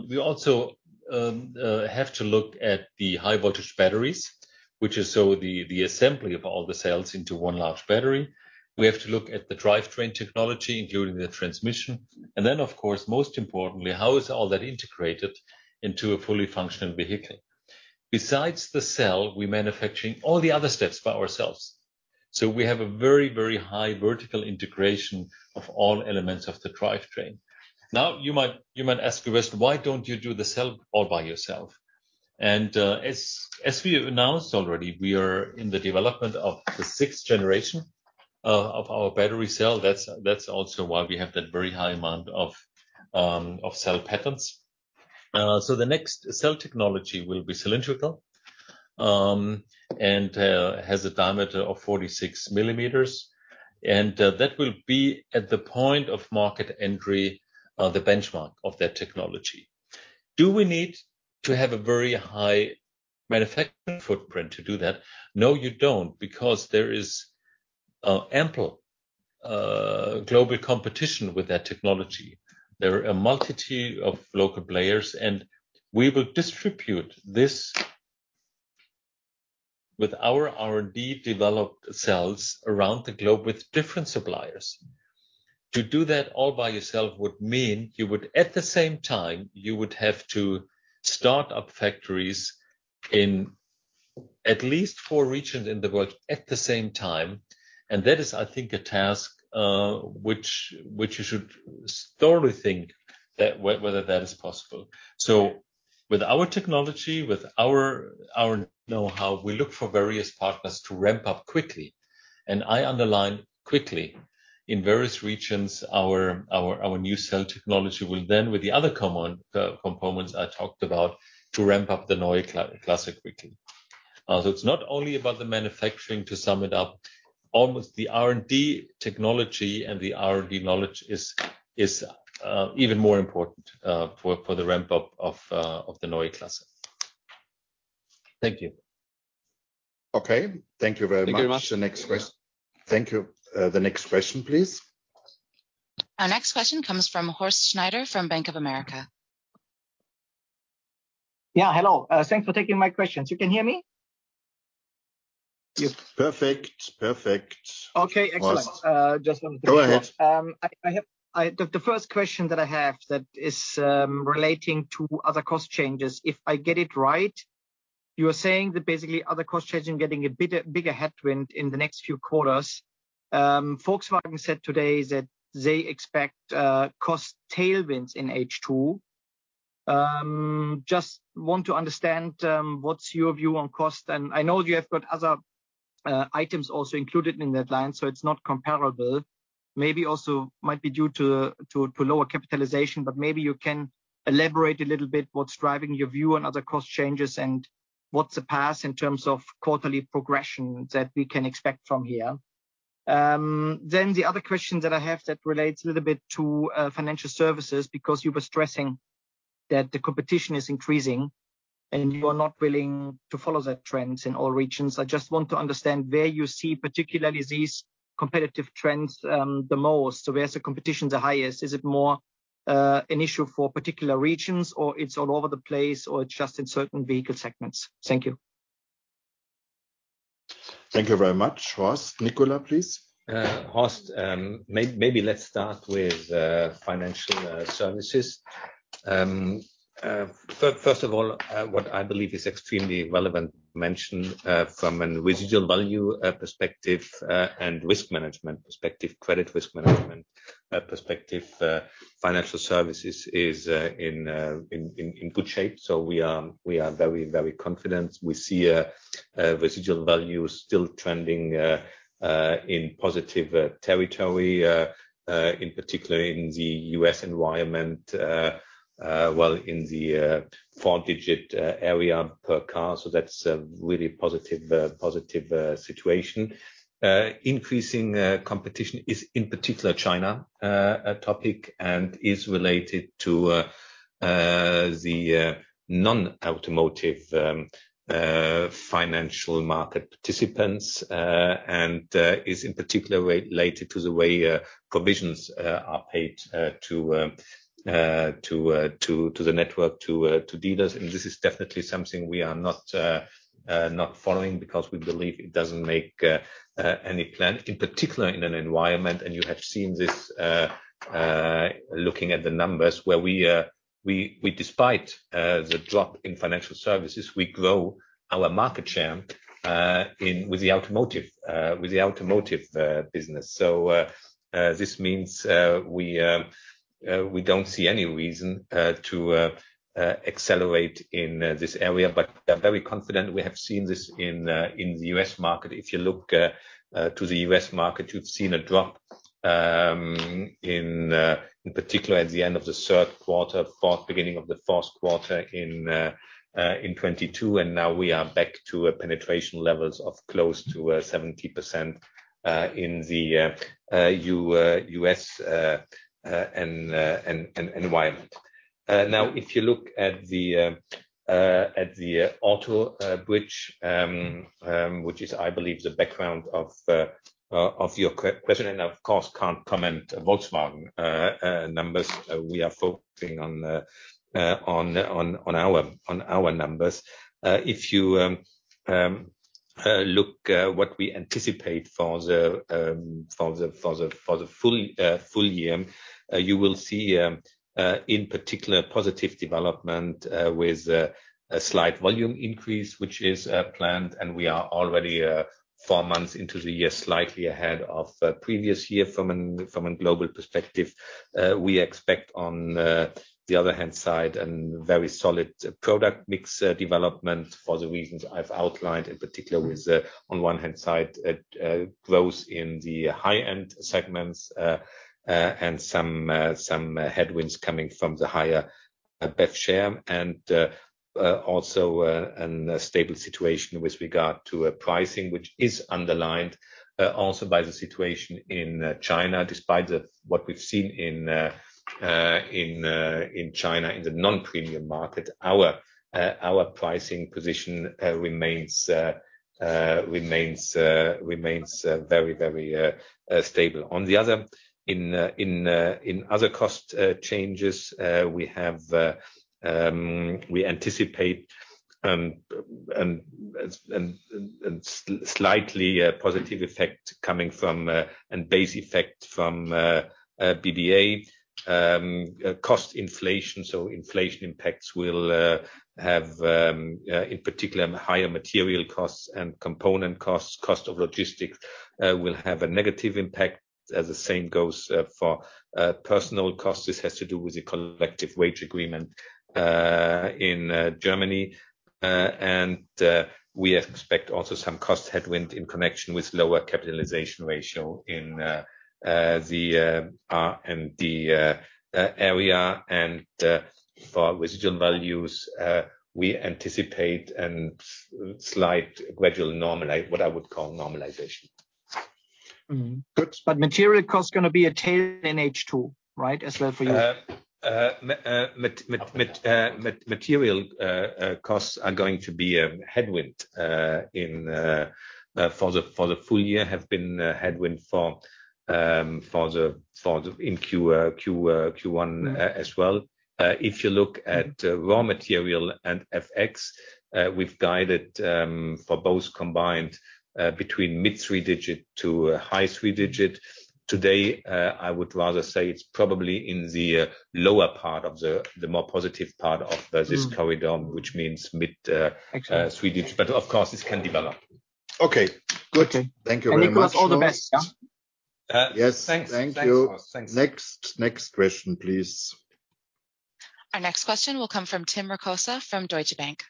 We also have to look at the high voltage batteries, which is so the assembly of all the cells into one large battery. We have to look at the drivetrain technology, including the transmission. Of course, most importantly, how is all that integrated into a fully functional vehicle. Besides the cell, we're manufacturing all the other steps by ourselves. We have a very high vertical integration of all elements of the drivetrain. Now, you might ask the question, why don't you do the cell all by yourself? As we have announced already, we are in the development of the 6th generation of our battery cell. That's also why we have that very high amount of cell patents. The next cell technology will be cylindrical and has a diameter of 46 mm. That will be at the point of market entry, the benchmark of that technology. Do we need to have a very high manufacturing footprint to do that? No, you don't, because there is ample global competition with that technology. There are a multitude of local players, and we will distribute this with our R&D developed cells around the globe with different suppliers. To do that all by yourself would mean you would, at the same time, you would have to start up factories in at least 4 regions in the world at the same time. That is, I think, a task which you should thoroughly think whether that is possible. With our technology, with our know-how, we look for various partners to ramp up quickly. I underline quickly. In various regions, our new cell technology will then, with the other components I talked about, to ramp up the Neue Klasse quickly. It's not only about the manufacturing to sum it up. Almost the R&D technology and the R&D knowledge is even more important for the ramp up of the Neue Klasse. Thank you. Okay. Thank you very much. Thank you very much. Thank you. The next question, please. Our next question comes from Horst Schneider from Bank of America. Yeah, hello. Thanks for taking my questions. You can hear me? Yes. Perfect. Perfect. Okay. Excellent. Horst. just Go ahead. I have the first question that I have that is relating to other cost changes. If I get it right, you are saying that basically other cost changes are getting a bigger headwind in the next few quarters. Volkswagen said today that they expect cost tailwinds in H2. Just want to understand what's your view on cost. I know you have got other items also included in that line, so it's not comparable. Maybe also might be due to lower capitalization, but maybe you can elaborate a little bit what's driving your view on other cost changes and what's the path in terms of quarterly progression that we can expect from here. The other question that I have that relates a little bit to financial services, because you were stressing that the competition is increasing, and you are not willing to follow that trends in all regions. I just want to understand where you see particularly these competitive trends the most. Where is the competition the highest? Is it more an issue for particular regions, or it's all over the place, or just in certain vehicle segments? Thank you. Thank you very much, Horst. Nicolas, please. Horst, maybe let's start with financial services. First of all, what I believe is extremely relevant to mention, from an residual value perspective, and risk management perspective, credit risk management perspective, financial services is in good shape. We are very confident. We see a residual value still trending in positive territory, in particular in the U.S. environment, well, in the four-digit area per car. That's a really positive situation. Increasing competition is in particular China topic and is related to the non-automotive financial market participants. Uh, and, is in particular related to the way, uh, provisions, uh, are paid, to the network, to dealers. And this is definitely something we are not, not following because we believe it doesn't make, any plan, in particular in an environment. And you have seen this, looking at the numbers where we, we despite, the drop in financial services, we grow our market share, in... with the automotive, with the automotive, business. this means, we don't see any reason, to accelerate in, this area, but we're very confident. We have seen this in, in the US market. If you look to the U.S. market, you've seen a drop in particular at the end of the third quarter, beginning of the fourth quarter in '22. Now we are back to penetration levels of close to 70% in the U.S. environment. Now, if you look at the auto bridge, which is, I believe, the background of your question. Of course, can't comment Volkswagen numbers. We are focusing on our numbers. If you look what we anticipate for the full year, you will see in particular positive development with a slight volume increase, which is planned. We are already four months into the year, slightly ahead of the previous year from a global perspective. We expect on the other hand side a very solid product mix development for the reasons I've outlined, in particular with the, on one hand side, growth in the high-end segments and some headwinds coming from the higher. A BEV share and also a stable situation with regard to pricing, which is underlined also by the situation in China. Despite what we've seen in China, in the non-premium market, our pricing position remains very stable. On the other, in other cost changes, we anticipate a slightly positive effect coming from and base effect from BBA. Cost inflation, so inflation impacts will have in particular higher material costs and component costs. Cost of logistics will have a negative impact, as the same goes for personal costs. This has to do with the collective wage agreement in Germany. We expect also some cost headwind in connection with lower capitalization ratio in the R&D area. For residual values, we anticipate a slight gradual what I would call normalization. Mm-hmm. Good. Material cost gonna be a tailwind in H2, right? As well for you? Material costs are going to be a headwind for the full year, have been a headwind for the in Q1 as well. If you look at raw material and FX, we've guided for both combined between mid-three digit to high three digit. Today, I would rather say it's probably in the lower part of the more positive part of this corridor, which means mid-three digit. Of course, this can develop. Okay. Good. Okay. Thank you very much. Nicolas, all the best, yeah? Yes. Thank you. Thanks. Thanks, Horst. Thanks. Next question, please. Our next question will come from Tim Rokossa from Deutsche Bank.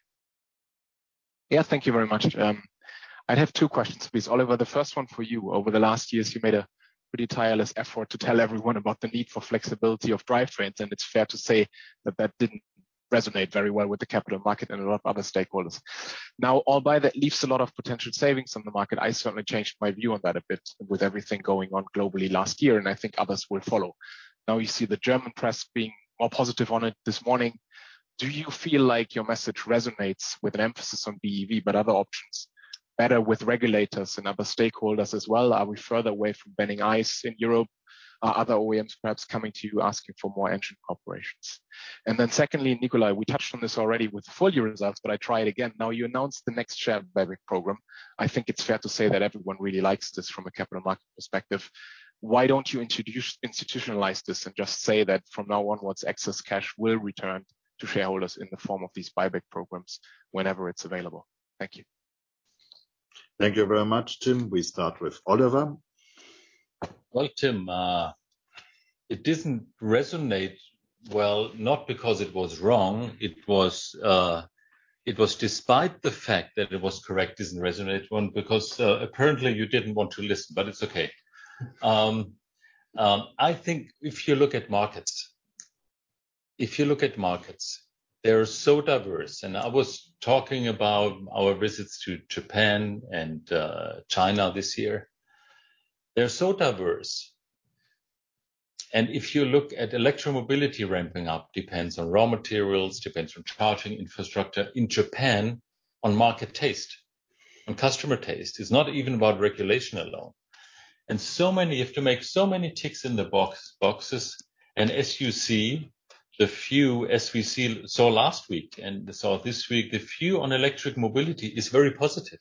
Yeah. Thank you very much. I have two questions please. Oliver, the first one for you. Over the last years, you made a pretty tireless effort to tell everyone about the need for flexibility of drivetrains. It's fair to say that that didn't resonate very well with the capital market and a lot of other stakeholders. Albeit that leaves a lot of potential savings on the market, I certainly changed my view on that a bit with everything going on globally last year, and I think others will follow. You see the German press being more positive on it this morning. Do you feel like your message resonates with an emphasis on BEV, but other options better with regulators and other stakeholders as well? Are we further away from banning ICE in Europe? Are other OEMs perhaps coming to you asking for more engine operations? Secondly, Nicolas, we touched on this already with the full year results, but I try it again. Now, you announced the next share buyback program. I think it's fair to say that everyone really likes this from a capital market perspective. Why don't you institutionalize this and just say that from now onwards, excess cash will return to shareholders in the form of these buyback programs whenever it's available? Thank you. Thank you very much, Tim. We start with Oliver. Well, Tim, it didn't resonate well, not because it was wrong. It was, it was despite the fact that it was correct, it didn't resonate one, because apparently you didn't want to listen, but it's okay. I think if you look at markets, if you look at markets, they're so diverse. I was talking about our visits to Japan and China this year. They're so diverse. If you look at electromobility ramping up, depends on raw materials, depends on charging infrastructure. In Japan, on market taste, on customer taste. It's not even about regulation alone. So many have to make so many ticks in the box, boxes. As you see, the few as we saw last week and saw this week, the few on electric mobility is very positive.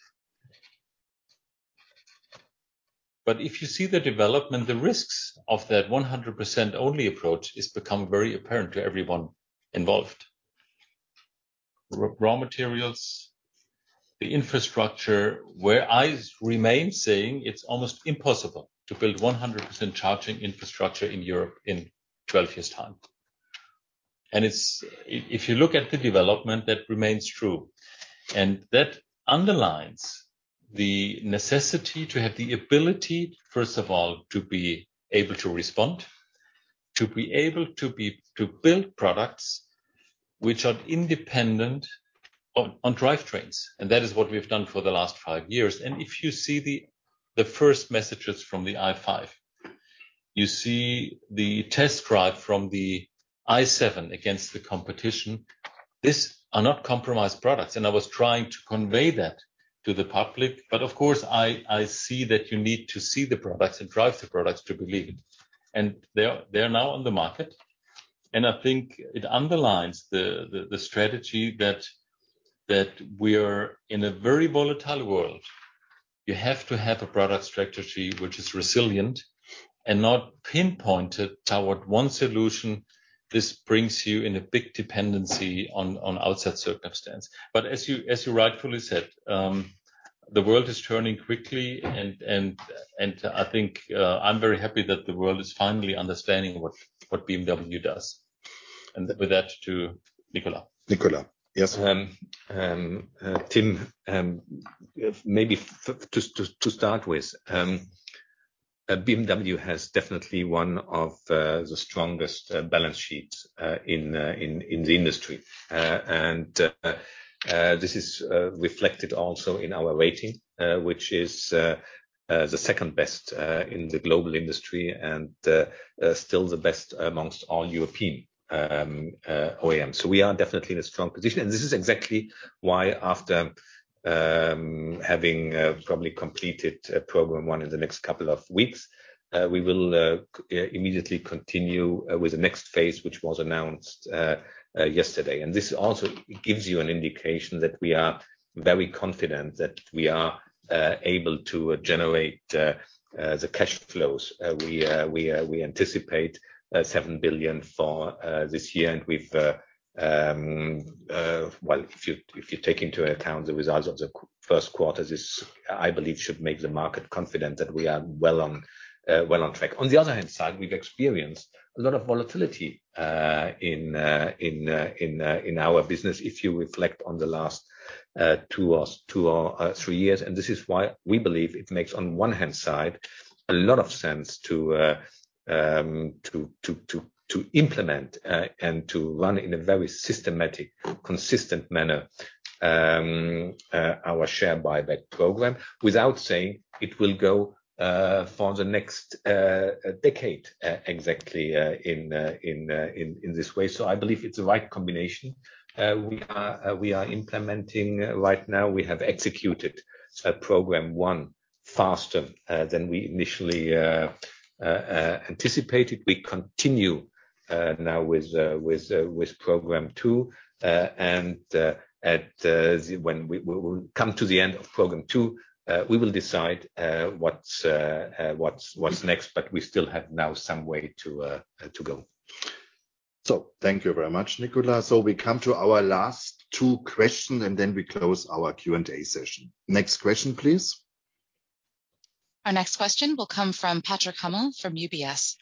If you see the development, the risks of that 100% only approach is become very apparent to everyone involved. Raw materials, the infrastructure, where I remain saying it's almost impossible to build 100% charging infrastructure in Europe in 12 years' time. If you look at the development, that remains true. That underlines the necessity to have the ability, first of all, to be able to respond, to be able to build products which are independent on drivetrains. That is what we've done for the last five years. If you see the first messages from the i5, you see the test drive from the i7 against the competition. These are not compromised products, and I was trying to convey that to the public. Of course, I see that you need to see the products and drive the products to believe it. They're now on the market. I think it underlines the strategy that we're in a very volatile world. You have to have a product strategy which is resilient and not pinpointed toward one solution. This brings you in a big dependency on outside circumstance. As you rightfully said, the world is turning quickly and I think I'm very happy that the world is finally understanding what BMW does. With that, to Nicolas. Nicolas. Yes. Tim, maybe to start with. BMW has definitely one of the strongest balance sheets in the industry. This is reflected also in our rating, which is the second best in the global industry and still the best amongst all European OEM. We are definitely in a strong position, and this is exactly why after having probably completed program one in the next couple of weeks, we will immediately continue with the next phase, which was announced yesterday. This also gives you an indication that we are very confident that we are able to generate the cash flows. We anticipate 7 billion for this year. We've, well, if you take into account the results of the first quarter, this, I believe, should make the market confident that we are well on track. On the other hand side, we've experienced a lot of volatility in our business, if you reflect on the last two or three years. This is why we believe it makes, on one hand side, a lot of sense to implement and to run in a very systematic, consistent manner our share buyback program, without saying it will go for the next decade exactly in this way. I believe it's the right combination. We are implementing right now. We have executed program 1 faster than we initially anticipated. We continue now with program 2. At, when we will come to the end of program 2, we will decide what's next. We still have now some way to go. Thank you very much, Nicolas. We come to our last two questions, and then we close our Q&A session. Next question, please. Our next question will come from Patrick Hummel from UBS.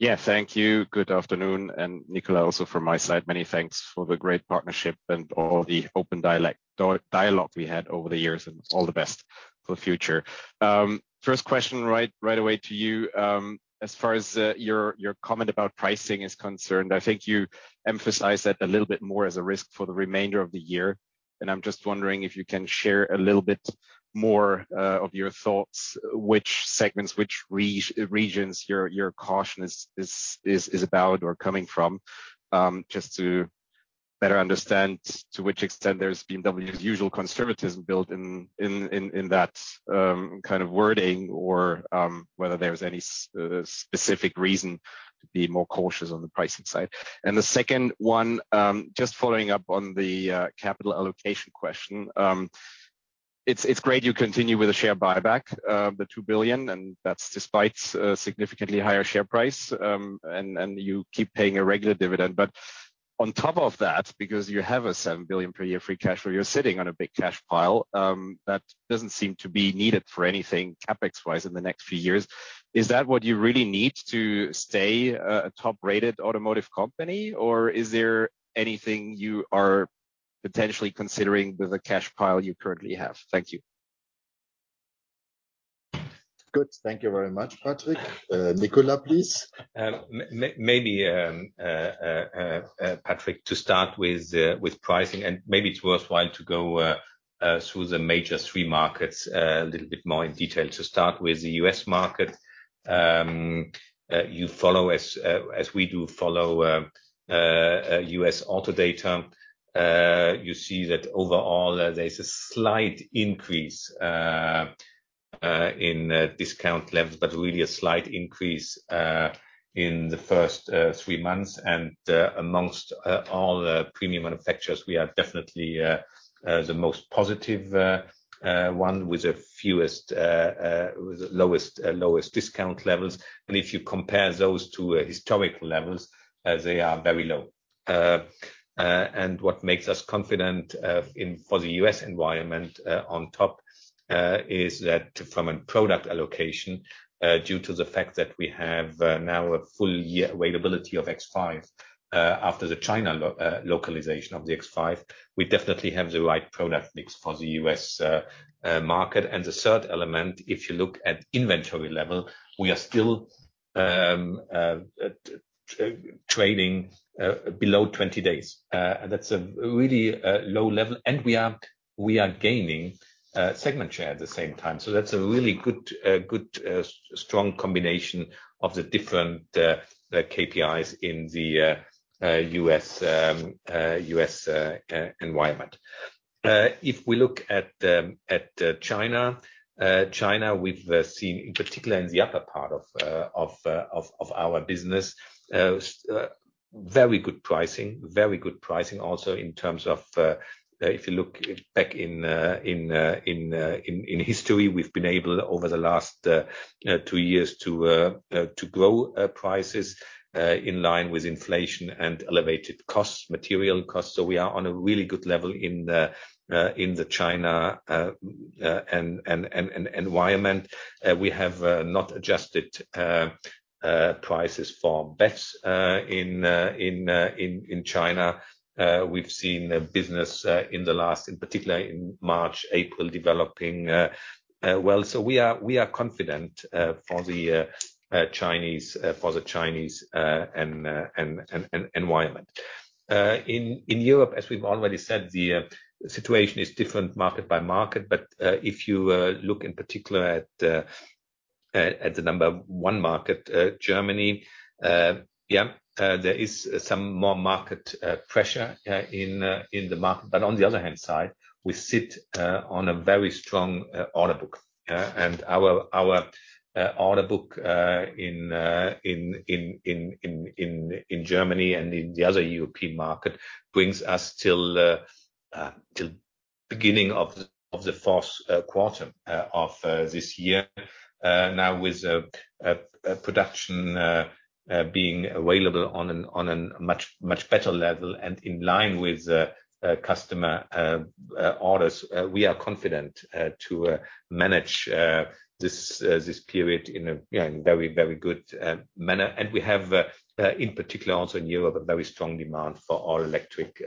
Yeah, thank you. Good afternoon. Nicolas, also from my side, many thanks for the great partnership and all the open dialogue we had over the years and all the best for the future. First question, right away to you. As far as your comment about pricing is concerned, I think you emphasized that a little bit more as a risk for the remainder of the year. I'm just wondering if you can share a little bit more of your thoughts, which segments, which regions your caution is about or coming from, just to better understand to which extent there's BMW's usual conservatism built in that kind of wording or whether there's any specific reason to be more cautious on the pricing side. The second one, just following up on the capital allocation question. It's great you continue with the share buyback, the 2 billion, and that's despite a significantly higher share price, and you keep paying a regular dividend. On top of that, because you have a 7 billion per year free cash flow, you're sitting on a big cash pile, that doesn't seem to be needed for anything CapEx wise in the next few years. Is that what you really need to stay a top-rated automotive company, or is there anything you are potentially considering with the cash pile you currently have? Thank you. Good. Thank you very much, Patrick. Nicolas, please. Maybe, Patrick, to start with pricing, maybe it's worthwhile to go through the major three markets a little bit more in detail. To start with the U.S. market, you follow as we do follow U.S. auto data. You see that overall there's a slight increase in discount levels, but really a slight increase in the first three months. Amongst all the premium manufacturers, we are definitely the most positive one with the fewest, with the lowest discount levels. If you compare those to historic levels, they are very low. What makes us confident for the US environment on top is that from a product allocation, due to the fact that we have now a full year availability of X5, after the China localization of the X5, we definitely have the right product mix for the US market. The third element, if you look at inventory level, we are still trading below 20 days. That's a really low level, and we are gaining segment share at the same time. That's a really good, strong combination of the different KPIs in the US environment. If we look at China. China, we've seen in particular in the upper part of our business, very good pricing. Very good pricing also in terms of if you look back in history, we've been able over the last two years to grow prices in line with inflation and elevated costs, material costs. We are on a really good level in the China environment. We have not adjusted prices for BEV in China. We've seen business in the last, in particular in March, April, developing well. We are, we are confident for the Chinese, for the Chinese environment. In Europe, as we've already said, the situation is different market by market. If you look in particular at the number 1 market, Germany, there is some more market pressure in the market. On the other hand side, we sit on a very strong order book. Our order book in Germany and in the other European market brings us till beginning of the fourth quarter of this year. Now with production being available on a much, much better level and in line with customer orders, we are confident to manage this period in a very, very good manner. We have in particular also in Europe, a very strong demand for all electric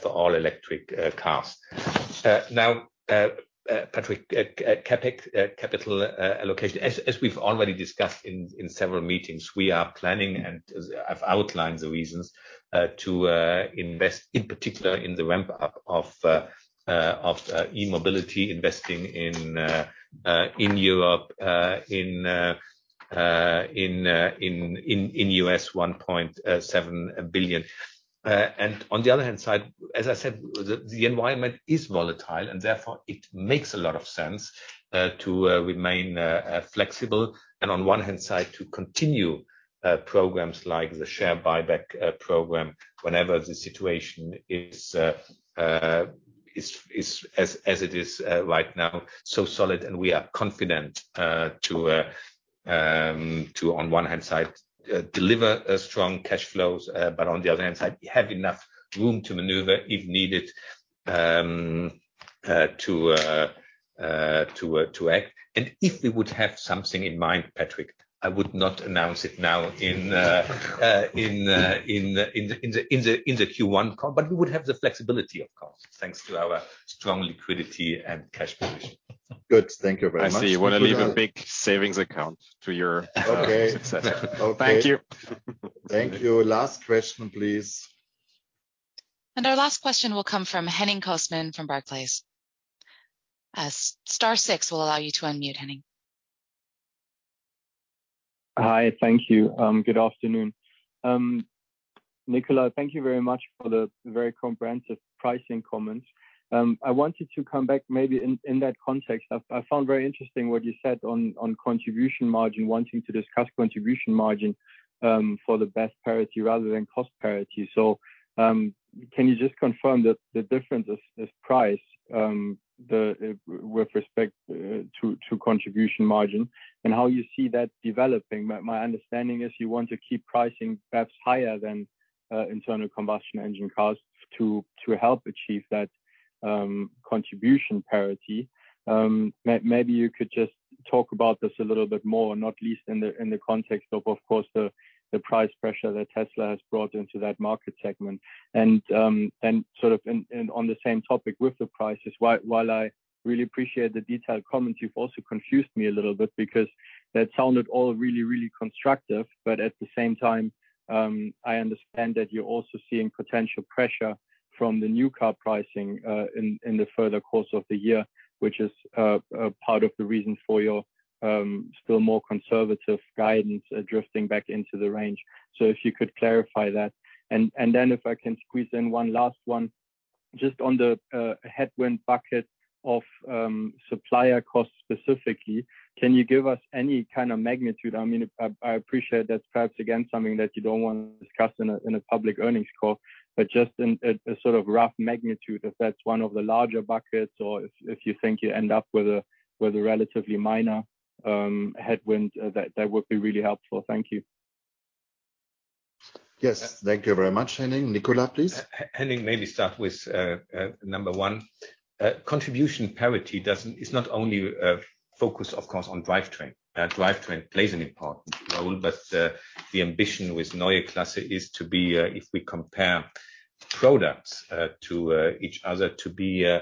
for all electric cars. Now, Patrick, CapEx capital allocation. As we've already discussed in several meetings, we are planning and as I've outlined the reasons, to invest in particular in the ramp up of e-mobility, investing in Europe, in the $1.7 billion. On the other hand side, as I said, the environment is volatile and therefore it makes a lot of sense to remain flexible. On one hand side to continue programs like the share buyback program whenever the situation is as it is right now, so solid. We are confident to on one hand side deliver strong cash flows. On the other hand side, have enough room to maneuver if needed to act. If we would have something in mind, Patrick, I would not announce it now in the Q1 call, but we would have the flexibility, of course, thanks to our strong liquidity and cash position. Good. Thank you very much. I see. You wanna leave a big savings account to your- Okay. Thank you. Thank you. Last question, please. Our last question will come from Henning Cosman from Barclays. Star 6 will allow you to unmute, Henning. Hi. Thank you. Good afternoon. Nicolas, thank you very much for the very comprehensive pricing comments. I wanted to come back maybe in that context. I found very interesting what you said on contribution margin, wanting to discuss contribution margin for the BEV parity rather than cost parity. Can you just confirm that the difference is price, with respect to contribution margin and how you see that developing? My understanding is you want to keep pricing perhaps higher than internal combustion engine costs to help achieve that contribution parity. Maybe you could just talk about this a little bit more, not least in the context of course, the price pressure that Tesla has brought into that market segment. Sort of on the same topic with the prices, while I really appreciate the detailed comments, you've also confused me a little bit because that sounded all really constructive. At the same time, I understand that you're also seeing potential pressure from the new car pricing in the further course of the year, which is a part of the reason for your still more conservative guidance drifting back into the range. If you could clarify that. Then if I can squeeze in one last one. Just on the headwind bucket of supplier costs specifically, can you give us any kind of magnitude? I mean, I appreciate that's perhaps again something that you don't wanna discuss in a public earnings call. Just in a sort of rough magnitude, if that's one of the larger buckets or if you think you end up with a relatively minor headwind, that would be really helpful. Thank you. Yes. Thank you very much, Henning. Nicolas, please. Henning, maybe start with 1. Contribution parity is not only focused, of course, on drivetrain. Drivetrain plays an important role, the ambition with Neue Klasse is to be, if we compare products to each other, to be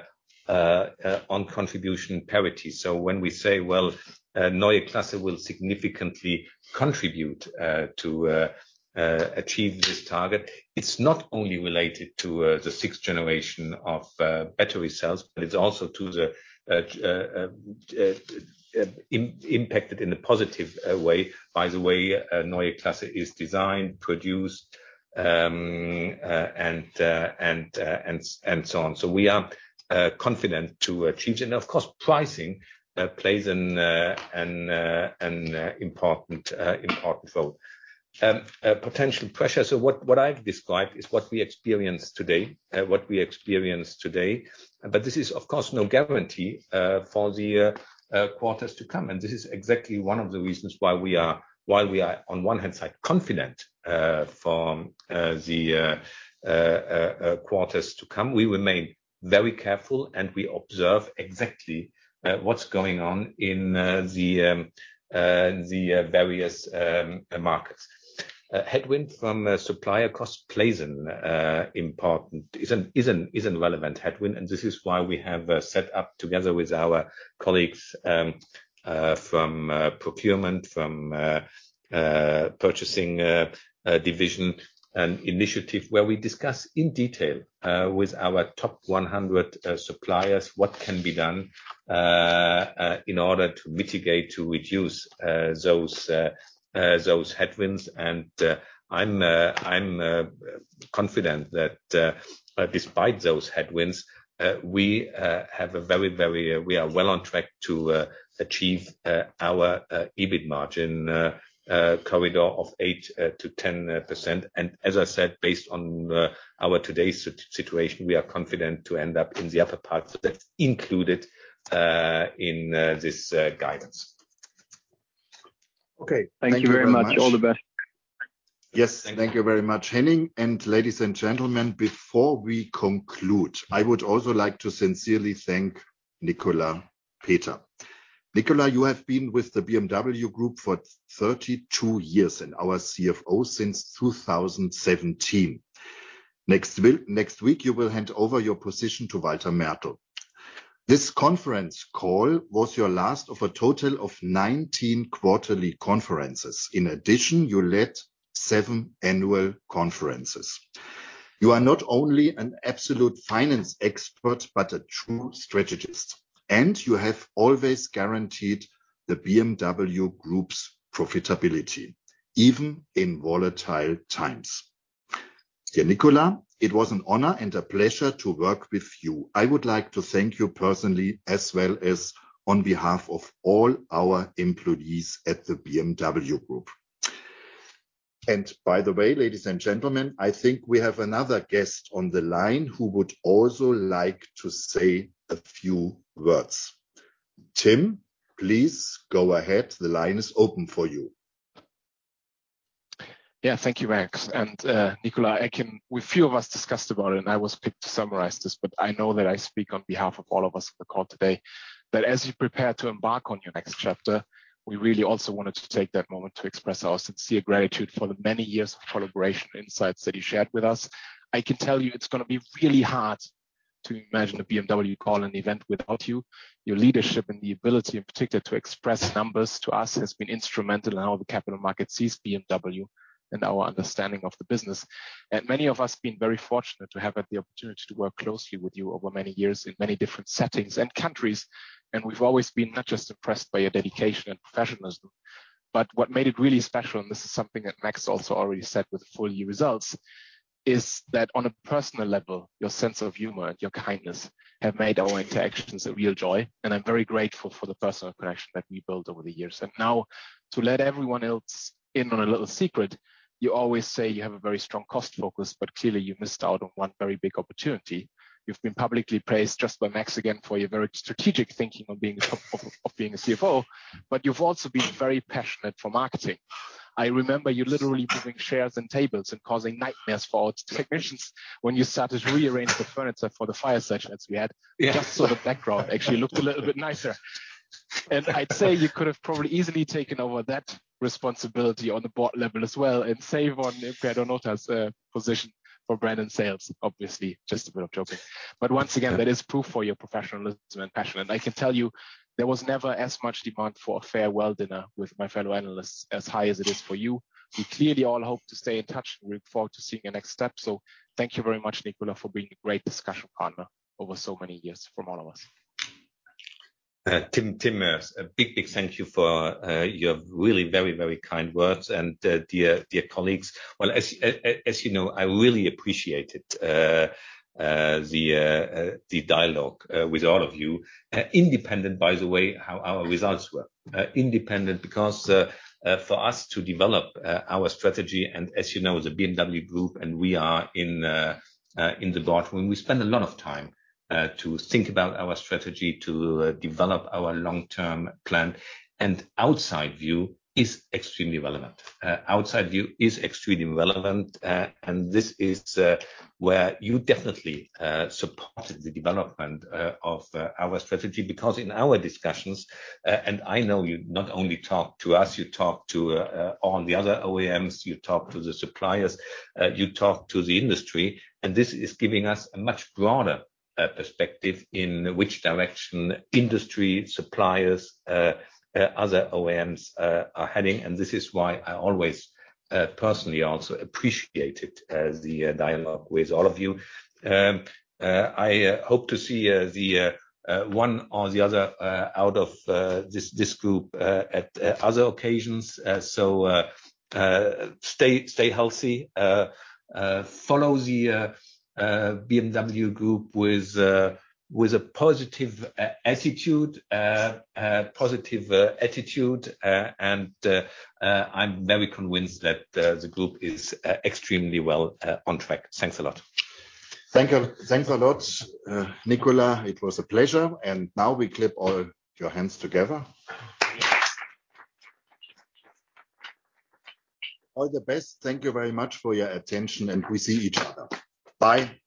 on contribution parity. When we say, well, Neue Klasse will significantly contribute to achieve this target, it's not only related to the 6th generation of battery cells, but it's also to the impacted in a positive way, by the way a Neue Klasse is designed, produced, and so on. We are confident to achieve. Of course, pricing plays an important role. Potential pressure. What I've described is what we experience today, what we experience today. This is, of course, no guarantee for the quarters to come. This is exactly one of the reasons why we are on one hand side confident, from the quarters to come. We remain very careful, and we observe exactly what's going on in the various markets. Headwind from supplier cost plays an important... Is a relevant headwind, and this is why we have set up together with our colleagues from procurement, from purchasing division an initiative where we discuss in detail with our top 100 suppliers, what can be done in order to mitigate, to reduce those headwinds. I'm confident that despite those headwinds, we are well on track to achieve our EBITDA margin corridor of 8%-10%. As I said, based on our today's situation, we are confident to end up in the upper parts that's included in this guidance. Okay, thank you very much. Thank you very much. All the best. Yes. Thank you very much, Henning. Ladies and gentlemen, before we conclude, I would also like to sincerely thank Nicolas Peter. Nicolas, you have been with the BMW Group for 32 years, and our CFO since 2017. Next week, you will hand over your position to Walter Mertl. This conference call was your last of a total of 19 quarterly conferences. In addition, you led 7 annual conferences. You are not only an absolute finance expert, but a true strategist, and you have always guaranteed the BMW Group's profitability, even in volatile times. Dear Nicolas, it was an honor and a pleasure to work with you. I would like to thank you personally as well as on behalf of all our employees at the BMW Group. By the way, ladies and gentlemen, I think we have another guest on the line who would also like to say a few words. Tim, please go ahead. The line is open for you. Yeah. Thank you, Max. Nicolas, We few of us discussed about it, and I was picked to summarize this, but I know that I speak on behalf of all of us on the call today. As you prepare to embark on your next chapter, we really also wanted to take that moment to express our sincere gratitude for the many years of collaboration insights that you shared with us. I can tell you it's gonna be really hard to imagine a BMW call and event without you. Your leadership and the ability in particular to express numbers to us has been instrumental in how the capital market sees BMW and our understanding of the business. Many of us have been very fortunate to have had the opportunity to work closely with you over many years in many different settings and countries. We've always been not just impressed by your dedication and professionalism, but what made it really special, and this is something that Max also already said with full year results, is that on a personal level, your sense of humor and your kindness have made our interactions a real joy, and I'm very grateful for the personal connection that we built over the years. Now to let everyone else in on a little secret, you always say you have a very strong cost focus, but clearly you missed out on 1 very big opportunity. You've been publicly praised just by Max again for your very strategic thinking of being a CFO. You've also been very passionate for marketing. I remember you literally moving shares and tables and causing nightmares for all its technicians when you started rearranging the furniture for the fire sessions we had. Yeah. Just so the background actually looked a little bit nicer. I'd say you could have probably easily taken over that responsibility on the board level as well and save on Pieter Nota's position for brand and sales. Obviously, just a bit of joking. Once again, that is proof for your professionalism and passion. I can tell you there was never as much demand for a farewell dinner with my fellow analysts as high as it is for you. We clearly all hope to stay in touch. We look forward to seeing your next step. Thank you very much, Nicolas, for being a great discussion partner over so many years from all of us. Tim, a big thank you for your really very kind words. Dear colleagues, well, as you know, I really appreciate it, the dialogue with all of you. Independent, by the way, how our results were. Independent, because for us to develop our strategy and as you know, the BMW Group and we are in the boardroom, we spend a lot of time to think about our strategy to develop our long-term plan. Outside view is extremely relevant. Outside view is extremely relevant. This is where you definitely supported the development of our strategy because in our discussions, and I know you not only talk to us, you talk to all the other OEMs, you talk to the suppliers, you talk to the industry. This is giving us a much broader perspective in which direction industry, suppliers, other OEMs are heading. This is why I always personally also appreciated as the dialogue with all of you. I hope to see the one or the other out of this group at other occasions. Stay healthy, follow the BMW Group with a positive attitude. I'm very convinced that, the group is, extremely well, on track. Thanks a lot. Thanks a lot, Nicolas. It was a pleasure. Now we clap all your hands together. All the best. Thank you very much for your attention, and we see each other. Bye.